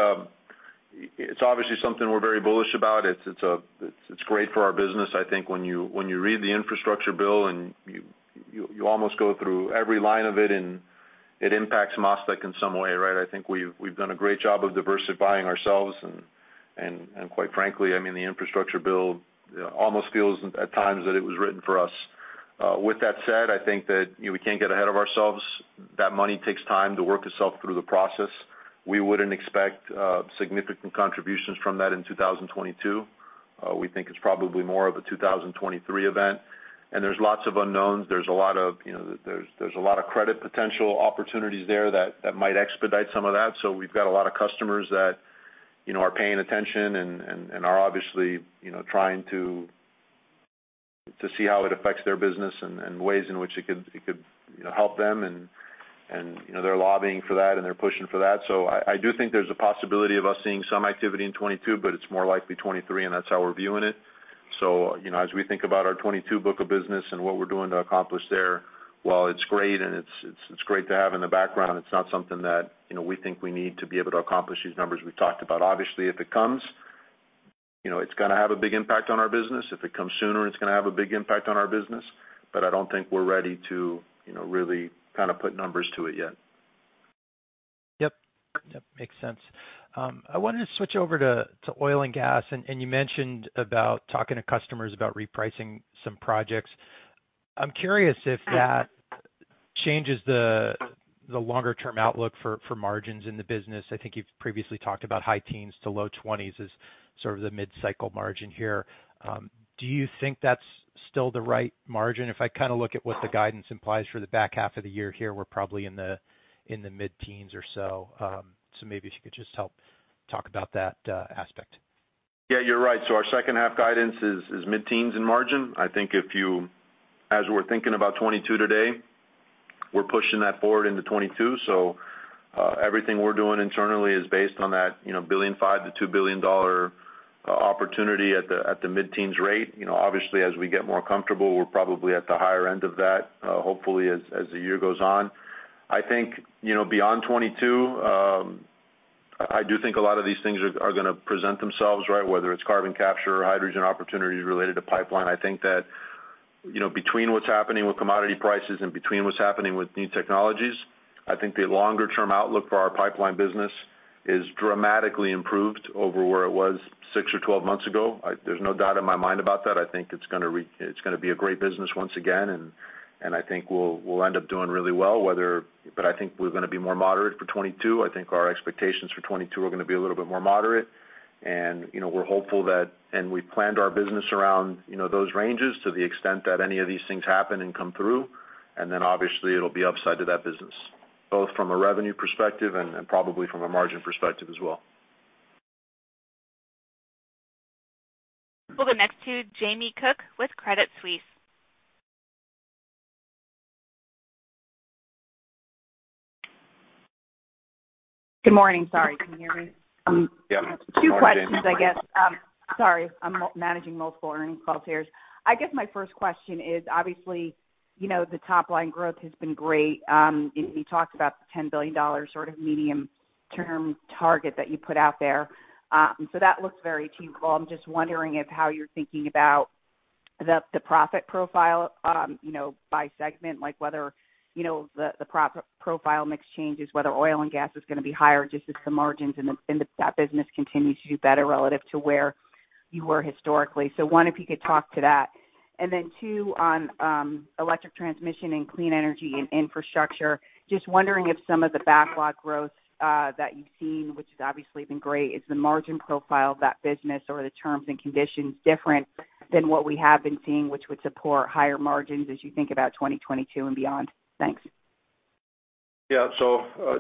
it's obviously something we're very bullish about. It's great for our business. I think when you read the infrastructure bill and you almost go through every line of it and it impacts MasTec in some way, right? I think we've done a great job of diversifying ourselves, and quite frankly, the infrastructure bill almost feels at times that it was written for us. With that said, I think that we can't get ahead of ourselves. That money takes time to work itself through the process. We wouldn't expect significant contributions from that in 2022. We think it's probably more of a 2023 event, and there's lots of unknowns. There's a lot of credit potential opportunities there that might expedite some of that. We've got a lot of customers that are paying attention and are obviously trying to see how it affects their business and ways in which it could help them, and they're lobbying for that, and they're pushing for that. I do think there's a possibility of us seeing some activity in 2022, but it's more likely 2023, and that's how we're viewing it. As we think about our 2022 book of business and what we're doing to accomplish there, while it's great, and it's great to have in the background, it's not something that we think we need to be able to accomplish these numbers we've talked about. Obviously, if it comes, it's going to have a big impact on our business. If it comes sooner, it's going to have a big impact on our business, but I don't think we're ready to really put numbers to it yet. Yep. Makes sense. I wanted to switch over to oil and gas. You mentioned about talking to customers about repricing some projects. I'm curious if that changes the longer-term outlook for margins in the business. I think you've previously talked about high teens to low 20s as sort of the mid-cycle margin here. Do you think that's still the right margin? If I look at what the guidance implies for the back half of the year here, we're probably in the mid-teens or so. Maybe if you could just help talk about that aspect. Yeah, you're right. Our second half guidance is mid-teens in margin. I think as we're thinking about 2022 today, we're pushing that forward into 2022. Everything we're doing internally is based on that $1.5 billion-$2 billion opportunity at the mid-teens rate. Obviously, as we get more comfortable, we're probably at the higher end of that, hopefully as the year goes on. I think beyond 2022, I do think a lot of these things are going to present themselves, whether it's carbon capture or hydrogen opportunities related to pipeline. I think that between what's happening with commodity prices and between what's happening with new technologies, I think the longer-term outlook for our pipeline business is dramatically improved over where it was six or 12 months ago. There's no doubt in my mind about that. I think it's going to be a great business once again, and I think we'll end up doing really well. I think we're going to be more moderate for 2022. I think our expectations for 2022 are going to be a little bit more moderate, and we're hopeful and we planned our business around those ranges to the extent that any of these things happen and come through, and then obviously it'll be upside to that business, both from a revenue perspective and probably from a margin perspective as well. We'll go next to Jamie Cook with Credit Suisse. Good morning. Sorry, can you hear me? Yep. Good morning, Jamie. Two questions, I guess. Sorry, I'm managing multiple earnings calls here. I guess my first question is, obviously, the top-line growth has been great. You talked about the $10 billion sort of medium-term target that you put out there. That looks very achievable. I'm just wondering how you're thinking about the profit profile by segment, like whether the profit profile mix changes, whether oil and gas is going to be higher just as the margins in that business continue to do better relative to where you were historically. One, if you could talk to that. Two is on electric transmission and clean energy and infrastructure, just wondering if some of the backlog growth that you've seen, which has obviously been great, is the margin profile of that business or the terms and conditions different than what we have been seeing, which would support higher margins as you think about 2022 and beyond? Thanks. Yeah.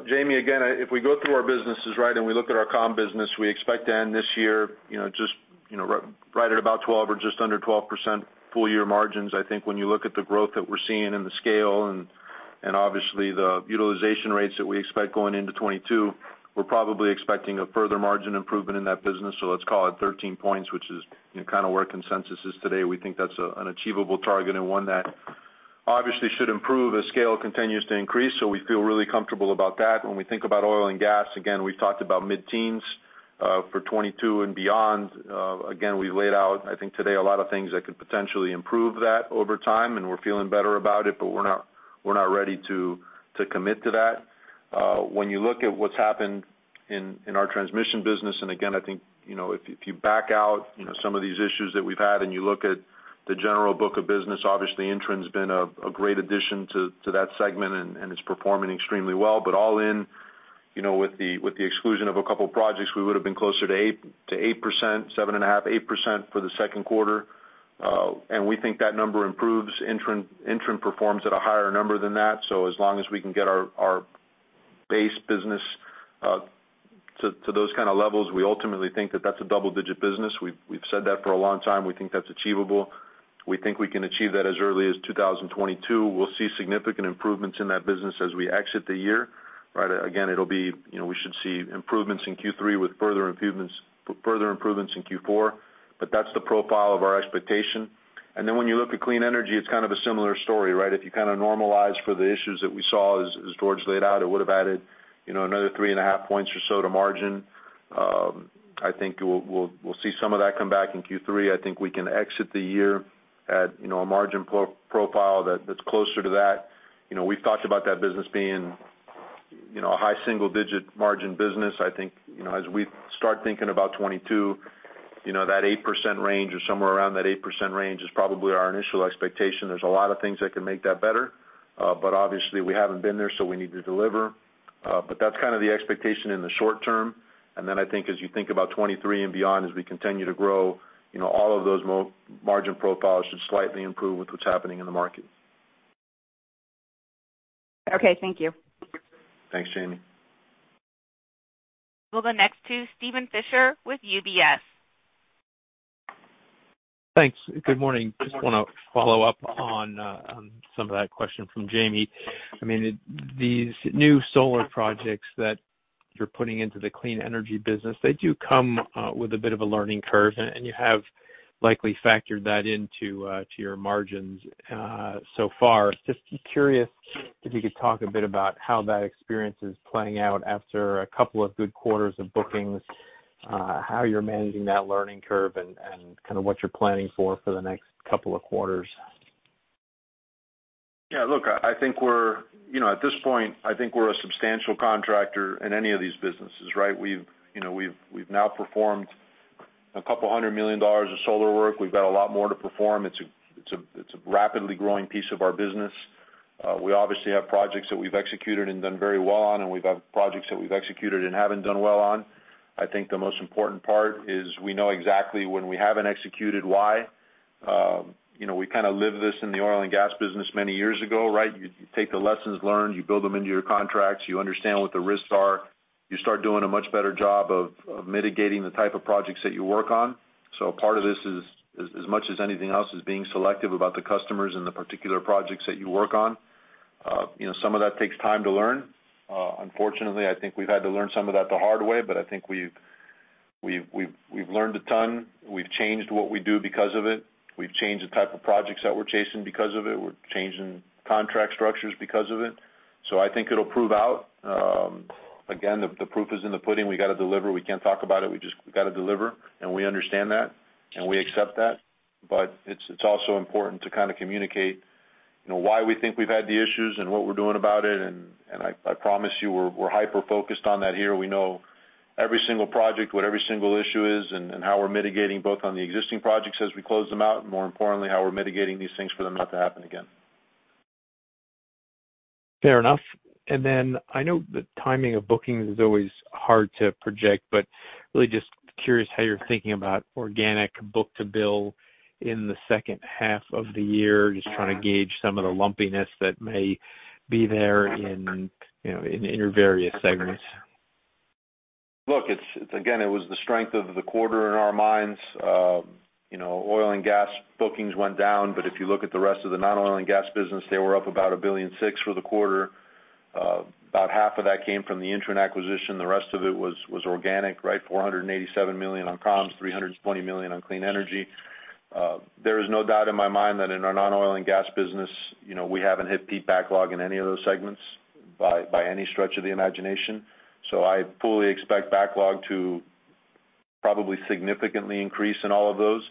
Jamie, again, if we go through our businesses and we look at our comm business, we expect to end this year just right at about 12% or just under 12% full-year margins. I think when you look at the growth that we're seeing and the scale and obviously the utilization rates that we expect going into 2022, we're probably expecting a further margin improvement in that business. Let's call it 13 points, which is kind of where consensus is today. We think that's an achievable target and one that obviously should improve as scale continues to increase. We feel really comfortable about that. When we think about oil and gas, again, we've talked about mid-teens for 2022 and beyond. We laid out, I think today, a lot of things that could potentially improve that over time, and we're feeling better about it, but we're not ready to commit to that. When you look at what's happened in our transmission business, and again, I think, if you back out some of these issues that we've had and you look at the general book of business, obviously, INTREN's been a great addition to that segment, and it's performing extremely well. All in, with the exclusion of a couple projects, we would've been closer to 8%, 7.5%, 8% for the second quarter. We think that number improves. INTREN performs at a higher number than that. As long as we can get our base business to those kinds of levels, we ultimately think that that's a double-digit business. We've said that for a long time. We think that's achievable. We think we can achieve that as early as 2022. We'll see significant improvements in that business as we exit the year. We should see improvements in Q3 with further improvements in Q4, but that's the profile of our expectation. When you look at clean energy, it's kind of a similar story. If you normalize for the issues that we saw, as George laid out, it would have added another three and a half points or so to margin. I think we'll see some of that come back in Q3. I think we can exit the year at a margin profile that's closer to that. We've talked about that business being a high single-digit margin business. I think, as we start thinking about 2022, that 8% range or somewhere around that 8% range is probably our initial expectation. There's a lot of things that can make that better. Obviously, we haven't been there, so we need to deliver. That's the expectation in the short term. Then I think as you think about 2023 and beyond, as we continue to grow, all of those margin profiles should slightly improve with what's happening in the market. Okay. Thank you. Thanks, Jamie. We'll go next to Steven Fisher with UBS. Thanks. Good morning. Want to follow up on some of that question from Jamie. These new solar projects that you're putting into the clean energy business, they do come with a bit of a learning curve, and you have likely factored that into your margins so far. Curious if you could talk a bit about how that experience is playing out after a couple of good quarters of bookings, how you're managing that learning curve, and what you're planning for the next couple of quarters. Yeah, look, at this point, I think we're a substantial contractor in any of these businesses, right? We've now performed a couple million dollars of solar work. We've got a lot more to perform. It's a rapidly growing piece of our business. We obviously have projects that we've executed and done very well on, and we've got projects that we've executed and haven't done well on. I think the most important part is we know exactly when we haven't executed, why. We lived this in the oil and gas business many years ago, right? You take the lessons learned, you build them into your contracts, you understand what the risks are. You start doing a much better job of mitigating the type of projects that you work on. Part of this, as much as anything else, is being selective about the customers and the particular projects that you work on. Some of that takes time to learn. Unfortunately, I think we've had to learn some of that the hard way, but I think we've learned a ton. We've changed what we do because of it. We've changed the type of projects that we're chasing because of it. We're changing contract structures because of it. I think it'll prove out. Again, the proof is in the pudding. We got to deliver. We can't talk about it. We just got to deliver, and we understand that, and we accept that. It's also important to communicate why we think we've had the issues and what we're doing about it, and I promise you, we're hyper-focused on that here. We know every single project, what every single issue is, and how we're mitigating, both on the existing projects as we close them out, and more importantly, how we're mitigating these things for them not to happen again. Fair enough. Then I know the timing of bookings is always hard to project, but really just curious how you're thinking about organic book-to-bill in the second half of the year. Just trying to gauge some of the lumpiness that may be there in your various segments. Look, again, it was the strength of the quarter in our minds. Oil and gas bookings went down, if you look at the rest of the non-oil and gas business, they were up about $1.6 billion for the quarter. About half of that came from the INTREN acquisition. The rest of it was organic, right? $487 million on comms, $320 million on clean energy. There is no doubt in my mind that in our non-oil and gas business, we haven't hit peak backlog in any of those segments by any stretch of the imagination. I fully expect backlog to probably significantly increase in all of those.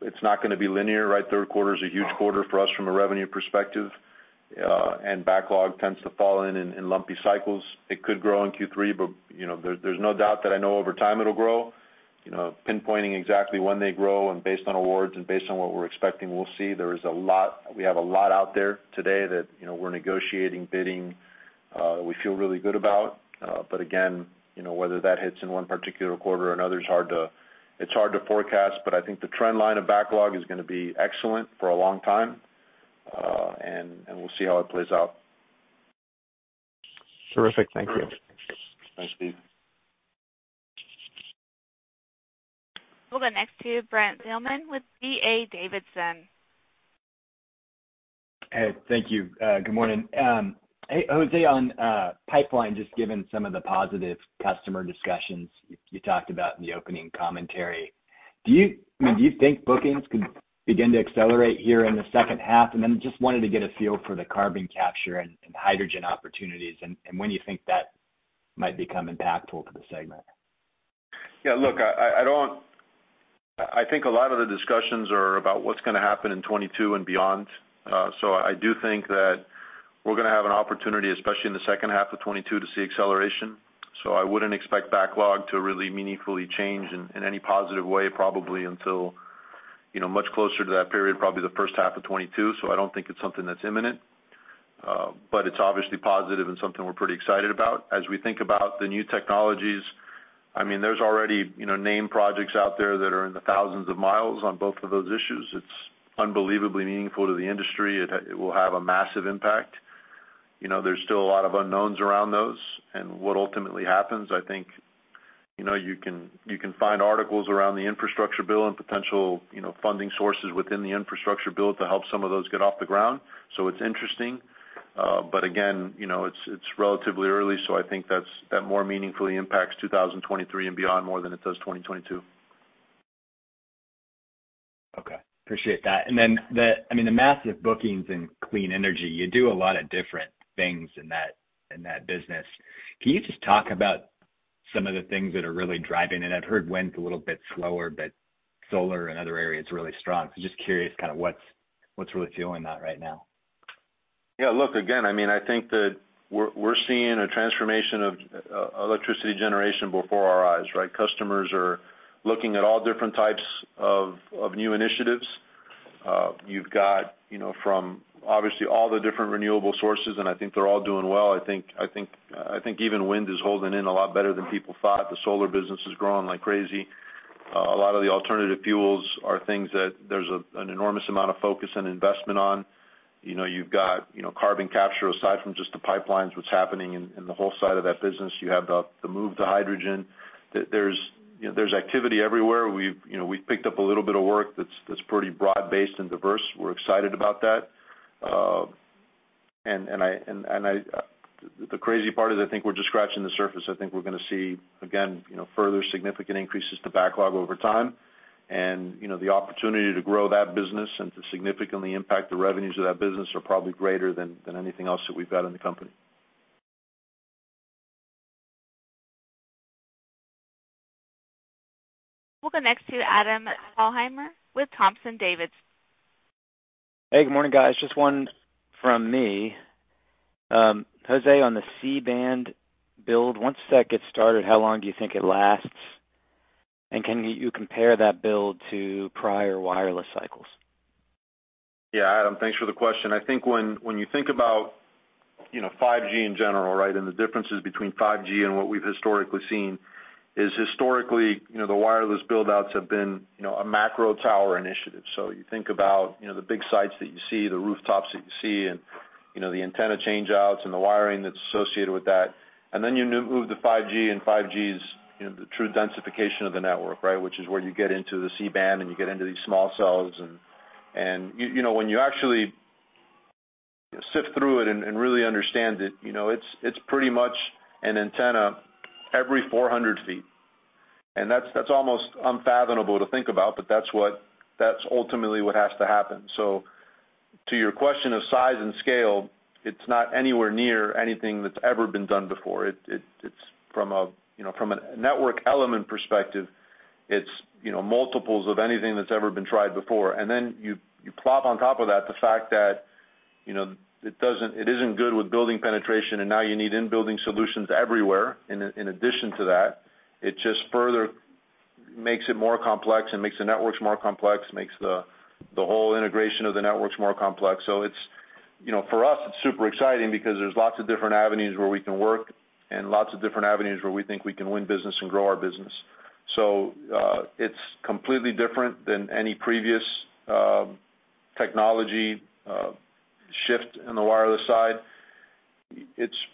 It's not gonna be linear, right? Third quarter's a huge quarter for us from a revenue perspective. Backlog tends to fall in lumpy cycles. It could grow in Q3, but there's no doubt that I know over time it'll grow. Pinpointing exactly when they grow and based on awards and based on what we're expecting, we'll see. We have a lot out there today that we're negotiating, bidding, that we feel really good about. Again, whether that hits in one particular quarter or another, it's hard to forecast. I think the trend line of backlog is gonna be excellent for a long time, and we'll see how it plays out. Terrific. Thank you. Thanks, Steve. We'll go next to Brent Thielman with D.A. Davidson. Hey, thank you. Good morning. Hey, Jose, on Pipeline, just given some of the positive customer discussions you talked about in the opening commentary, do you think bookings could begin to accelerate here in the second half? Then just wanted to get a feel for the carbon capture and hydrogen opportunities and when you think that might become impactful to the segment. Yeah, look, I think a lot of the discussions are about what's gonna happen in 2022 and beyond. I do think that we're gonna have an opportunity, especially in the second half of 2022, to see acceleration. I wouldn't expect backlog to really meaningfully change in any positive way probably until much closer to that period, probably the first half of 2022. I don't think it's something that's imminent. But it's obviously positive and something we're pretty excited about. As we think about the new technologies, there's already name projects out there that are in the thousands of miles on both of those issues. It's unbelievably meaningful to the industry. It will have a massive impact. There's still a lot of unknowns around those and what ultimately happens. I think you can find articles around the infrastructure bill and potential funding sources within the infrastructure bill to help some of those get off the ground. It's interesting. Again, it's relatively early, so I think that more meaningfully impacts 2023 and beyond more than it does 2022. Okay. Appreciate that. The massive bookings in clean energy, you do a lot of different things in that business. Can you just talk about some of the things that are really driving it? I've heard wind's a little bit slower, solar and other areas are really strong. just curious what's really fueling that right now? Yeah, look, again, I think that we're seeing a transformation of electricity generation before our eyes, right? Customers are looking at all different types of new initiatives. You've got from obviously all the different renewable sources. I think they're all doing well. I think even wind is holding in a lot better than people thought. The solar business is growing like crazy. A lot of the alternative fuels are things that there's an enormous amount of focus and investment on. You've got carbon capture aside from just the pipelines, what's happening in the whole side of that business. You have the move to hydrogen. There's activity everywhere. We've picked up a little bit of work that's pretty broad-based and diverse. We're excited about that. The crazy part is I think we're just scratching the surface. I think we're going to see, again, further significant increases to backlog over time. The opportunity to grow that business and to significantly impact the revenues of that business are probably greater than anything else that we've got in the company. We'll go next to Adam Thalhimer with Thompson Davis. Hey, good morning, guys. Just one from me. Jose, on the C-band build, once that gets started, how long do you think it lasts? Can you compare that build to prior wireless cycles? Yeah, Adam, thanks for the question. I think when you think about 5G in general, right, and the differences between 5G and what we've historically seen is historically, the wireless buildouts have been a macro tower initiative. You think about the big sites that you see, the rooftops that you see, and the antenna change-outs and the wiring that's associated with that. You move to 5G, and 5G's the true densification of the network, right? Which is where you get into the C-band, and you get into these small cells. When you actually sift through it and really understand it's pretty much an antenna every 400 ft. That's almost unfathomable to think about, but that's ultimately what has to happen. To your question of size and scale, it's not anywhere near anything that's ever been done before. From a network element perspective, it's multiples of anything that's ever been tried before. Then you plop on top of that the fact that it isn't good with building penetration, and now you need in-building solutions everywhere, in addition to that. It just further makes it more complex and makes the networks more complex, makes the whole integration of the networks more complex. For us, it's super exciting because there's lots of different avenues where we can work and lots of different avenues where we think we can win business and grow our business. It's completely different than any previous technology shift in the wireless side.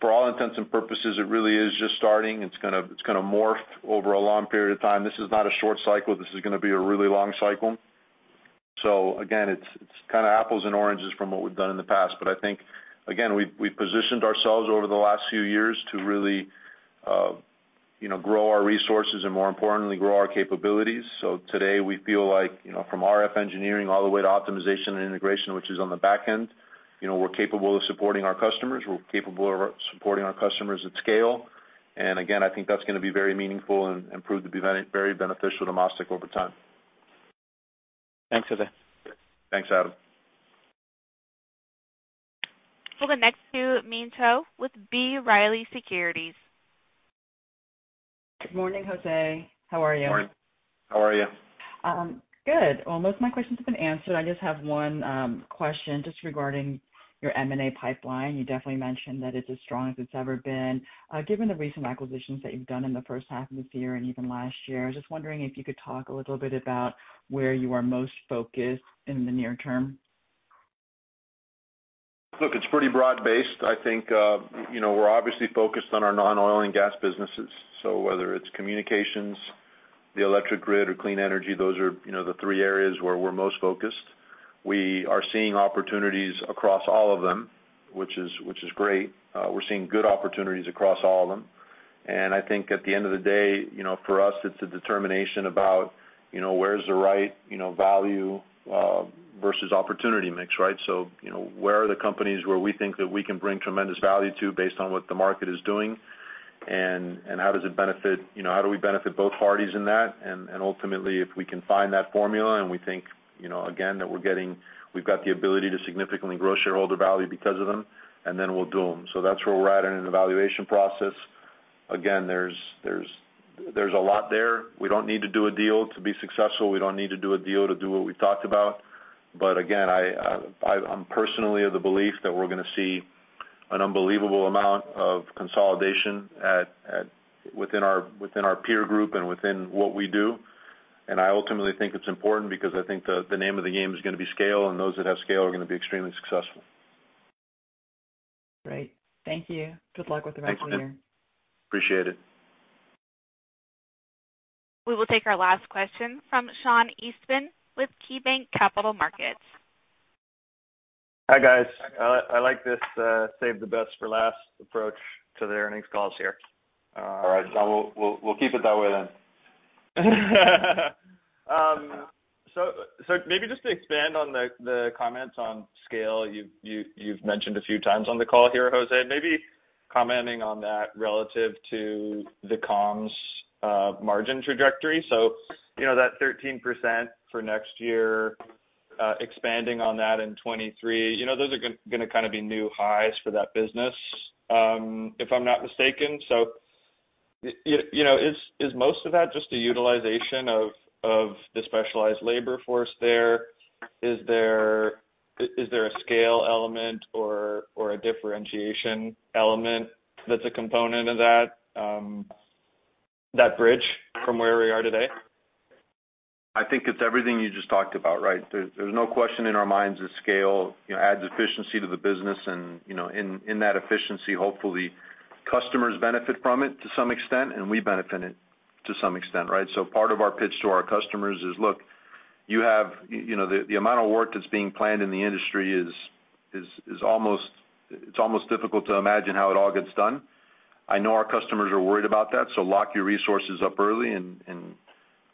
For all intents and purposes, it really is just starting. It's going to morph over a long period of time. This is not a short cycle. This is going to be a really long cycle. Again, it's kind of apples and oranges from what we've done in the past. I think, again, we've positioned ourselves over the last few years to really grow our resources and more importantly, grow our capabilities. Today, we feel like from RF engineering all the way to optimization and integration, which is on the back end, we're capable of supporting our customers. We're capable of supporting our customers at scale. Again, I think that's going to be very meaningful and prove to be very beneficial to MasTec over time. Thanks, Jose. Thanks, Adam. We'll go next to Min Cho with B. Riley Securities. Good morning, Jose. How are you? Morning. How are you? Good. Well, most of my questions have been answered. I just have one question just regarding your M&A pipeline. You definitely mentioned that it's as strong as it's ever been. Given the recent acquisitions that you've done in the first half of this year and even last year, I was just wondering if you could talk a little bit about where you are most focused in the near term. It's pretty broad-based. I think, we're obviously focused on our non-oil and gas businesses. Whether it's communications, the electric grid or clean energy, those are the three areas where we're most focused. We are seeing opportunities across all of them, which is great. We're seeing good opportunities across all of them. I think at the end of the day, for us, it's a determination about where's the right value versus opportunity mix, right? Where are the companies where we think that we can bring tremendous value to base on what the market is doing? How do we benefit both parties in that? Ultimately, if we can find that formula and we think, again, that we've got the ability to significantly grow shareholder value because of them, then we'll do them. That's where we're at in an evaluation process. Again, there's a lot there. We don't need to do a deal to be successful. We don't need to do a deal to do what we talked about. I'm personally of the belief that we're going to see an unbelievable amount of consolidation within our peer group and within what we do. I ultimately think it's important because I think the name of the game is going to be scale, and those that have scale are going to be extremely successful. Great. Thank you. Good luck with the rest of the year. Appreciate it. We will take our last question from Sean Eastman with KeyBanc Capital Markets. Hi, guys. I like this save the best for last approach to the earnings calls here. All right, Sean. We'll keep it that way then. Maybe just to expand on the comments on scale you've mentioned a few times on the call here, Jose, maybe commenting on that relative to the comms margin trajectory. That 13% for next year, expanding on that in 2023, those are going to kind of be new highs for that business, if I'm not mistaken. Is most of that just a utilization of the specialized labor force there? Is there a scale element or a differentiation element that's a component of that bridge from where we are today? I think it's everything you just talked about, right? There's no question in our minds that scale adds efficiency to the business and, in that efficiency, hopefully customers benefit from it to some extent, and we benefit to some extent, right? Part of our pitch to our customers is, look, the amount of work that's being planned in the industry, it's almost difficult to imagine how it all gets done. I know our customers are worried about that, so lock your resources up early and,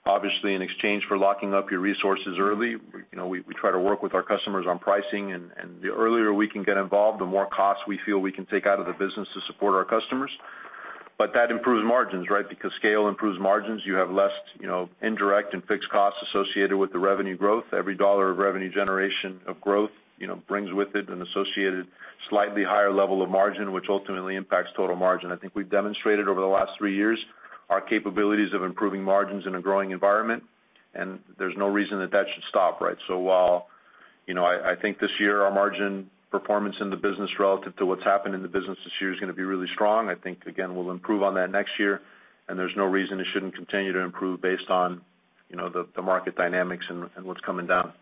obviously, in exchange for locking up your resources early, we try to work with our customers on pricing, and the earlier we can get involved, the more costs we feel we can take out of the business to support our customers. That improves margins, right? Because scale improves margins. You have less indirect and fixed costs associated with the revenue growth. Every dollar of revenue generation of growth brings with it an associated slightly higher level of margin, which ultimately impacts total margin. I think we've demonstrated over the last three years our capabilities of improving margins in a growing environment, and there's no reason that should stop, right? While I think this year our margin performance in the business relative to what's happened in the business this year is going to be really strong, I think, again, we'll improve on that next year, and there's no reason it shouldn't continue to improve based on the market dynamics and what's coming down.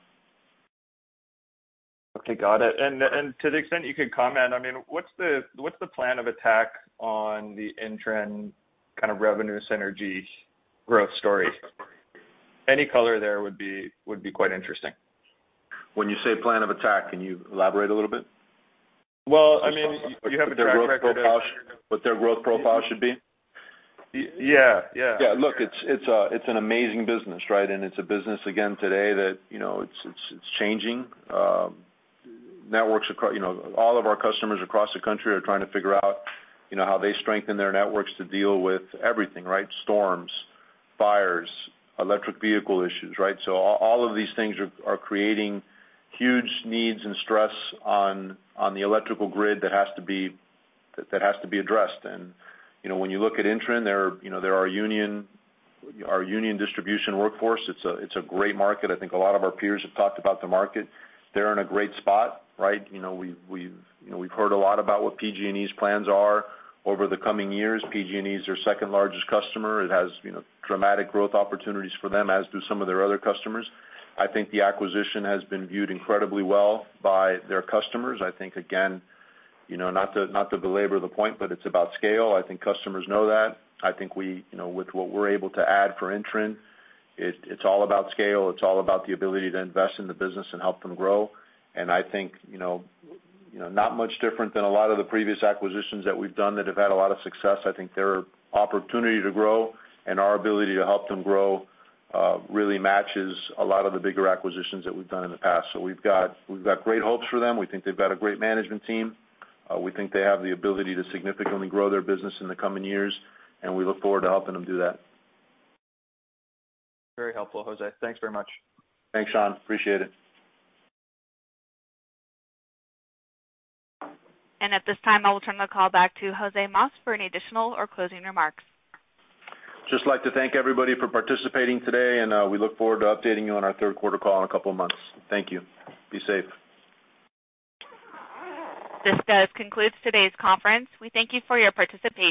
Okay, got it. To the extent you could comment, what's the plan of attack on the INTREN kind of revenue synergy growth story? Any color there would be quite interesting. When you say plan of attack, can you elaborate a little bit? Well, you have a track record. What their growth profile should be? Yeah. Look, it's an amazing business, right? It's a business, again, today that it's changing. All of our customers across the country are trying to figure out how they strengthen their networks to deal with everything, right? Storms, fires, electric vehicle issues, right? All of these things are creating huge needs and stress on the electrical grid that has to be addressed. When you look at INTREN, they're our union distribution workforce. It's a great market. I think a lot of our peers have talked about the market. They're in a great spot, right? We've heard a lot about what PG&E's plans are over the coming years. PG&E's their second-largest customer. It has dramatic growth opportunities for them, as do some of their other customers. I think the acquisition has been viewed incredibly well by their customers. I think, again, not to belabor the point, but it's about scale. I think customers know that. I think with what we're able to add for INTREN, it's all about scale. It's all about the ability to invest in the business and help them grow. I think, not much different than a lot of the previous acquisitions that we've done that have had a lot of success, I think their opportunity to grow and our ability to help them grow really matches a lot of the bigger acquisitions that we've done in the past. We've got great hopes for them. We think they've got a great management team. We think they have the ability to significantly grow their business in the coming years, and we look forward to helping them do that. Very helpful, Jose. Thanks very much. Thanks, Sean. Appreciate it. At this time, I will turn the call back to Jose Mas for any additional or closing remarks. just like to thank everybody for participating today, and we look forward to updating you on our third quarter call in a couple of months. Thank you. Be safe. This does conclude today's conference. We thank you for your participation.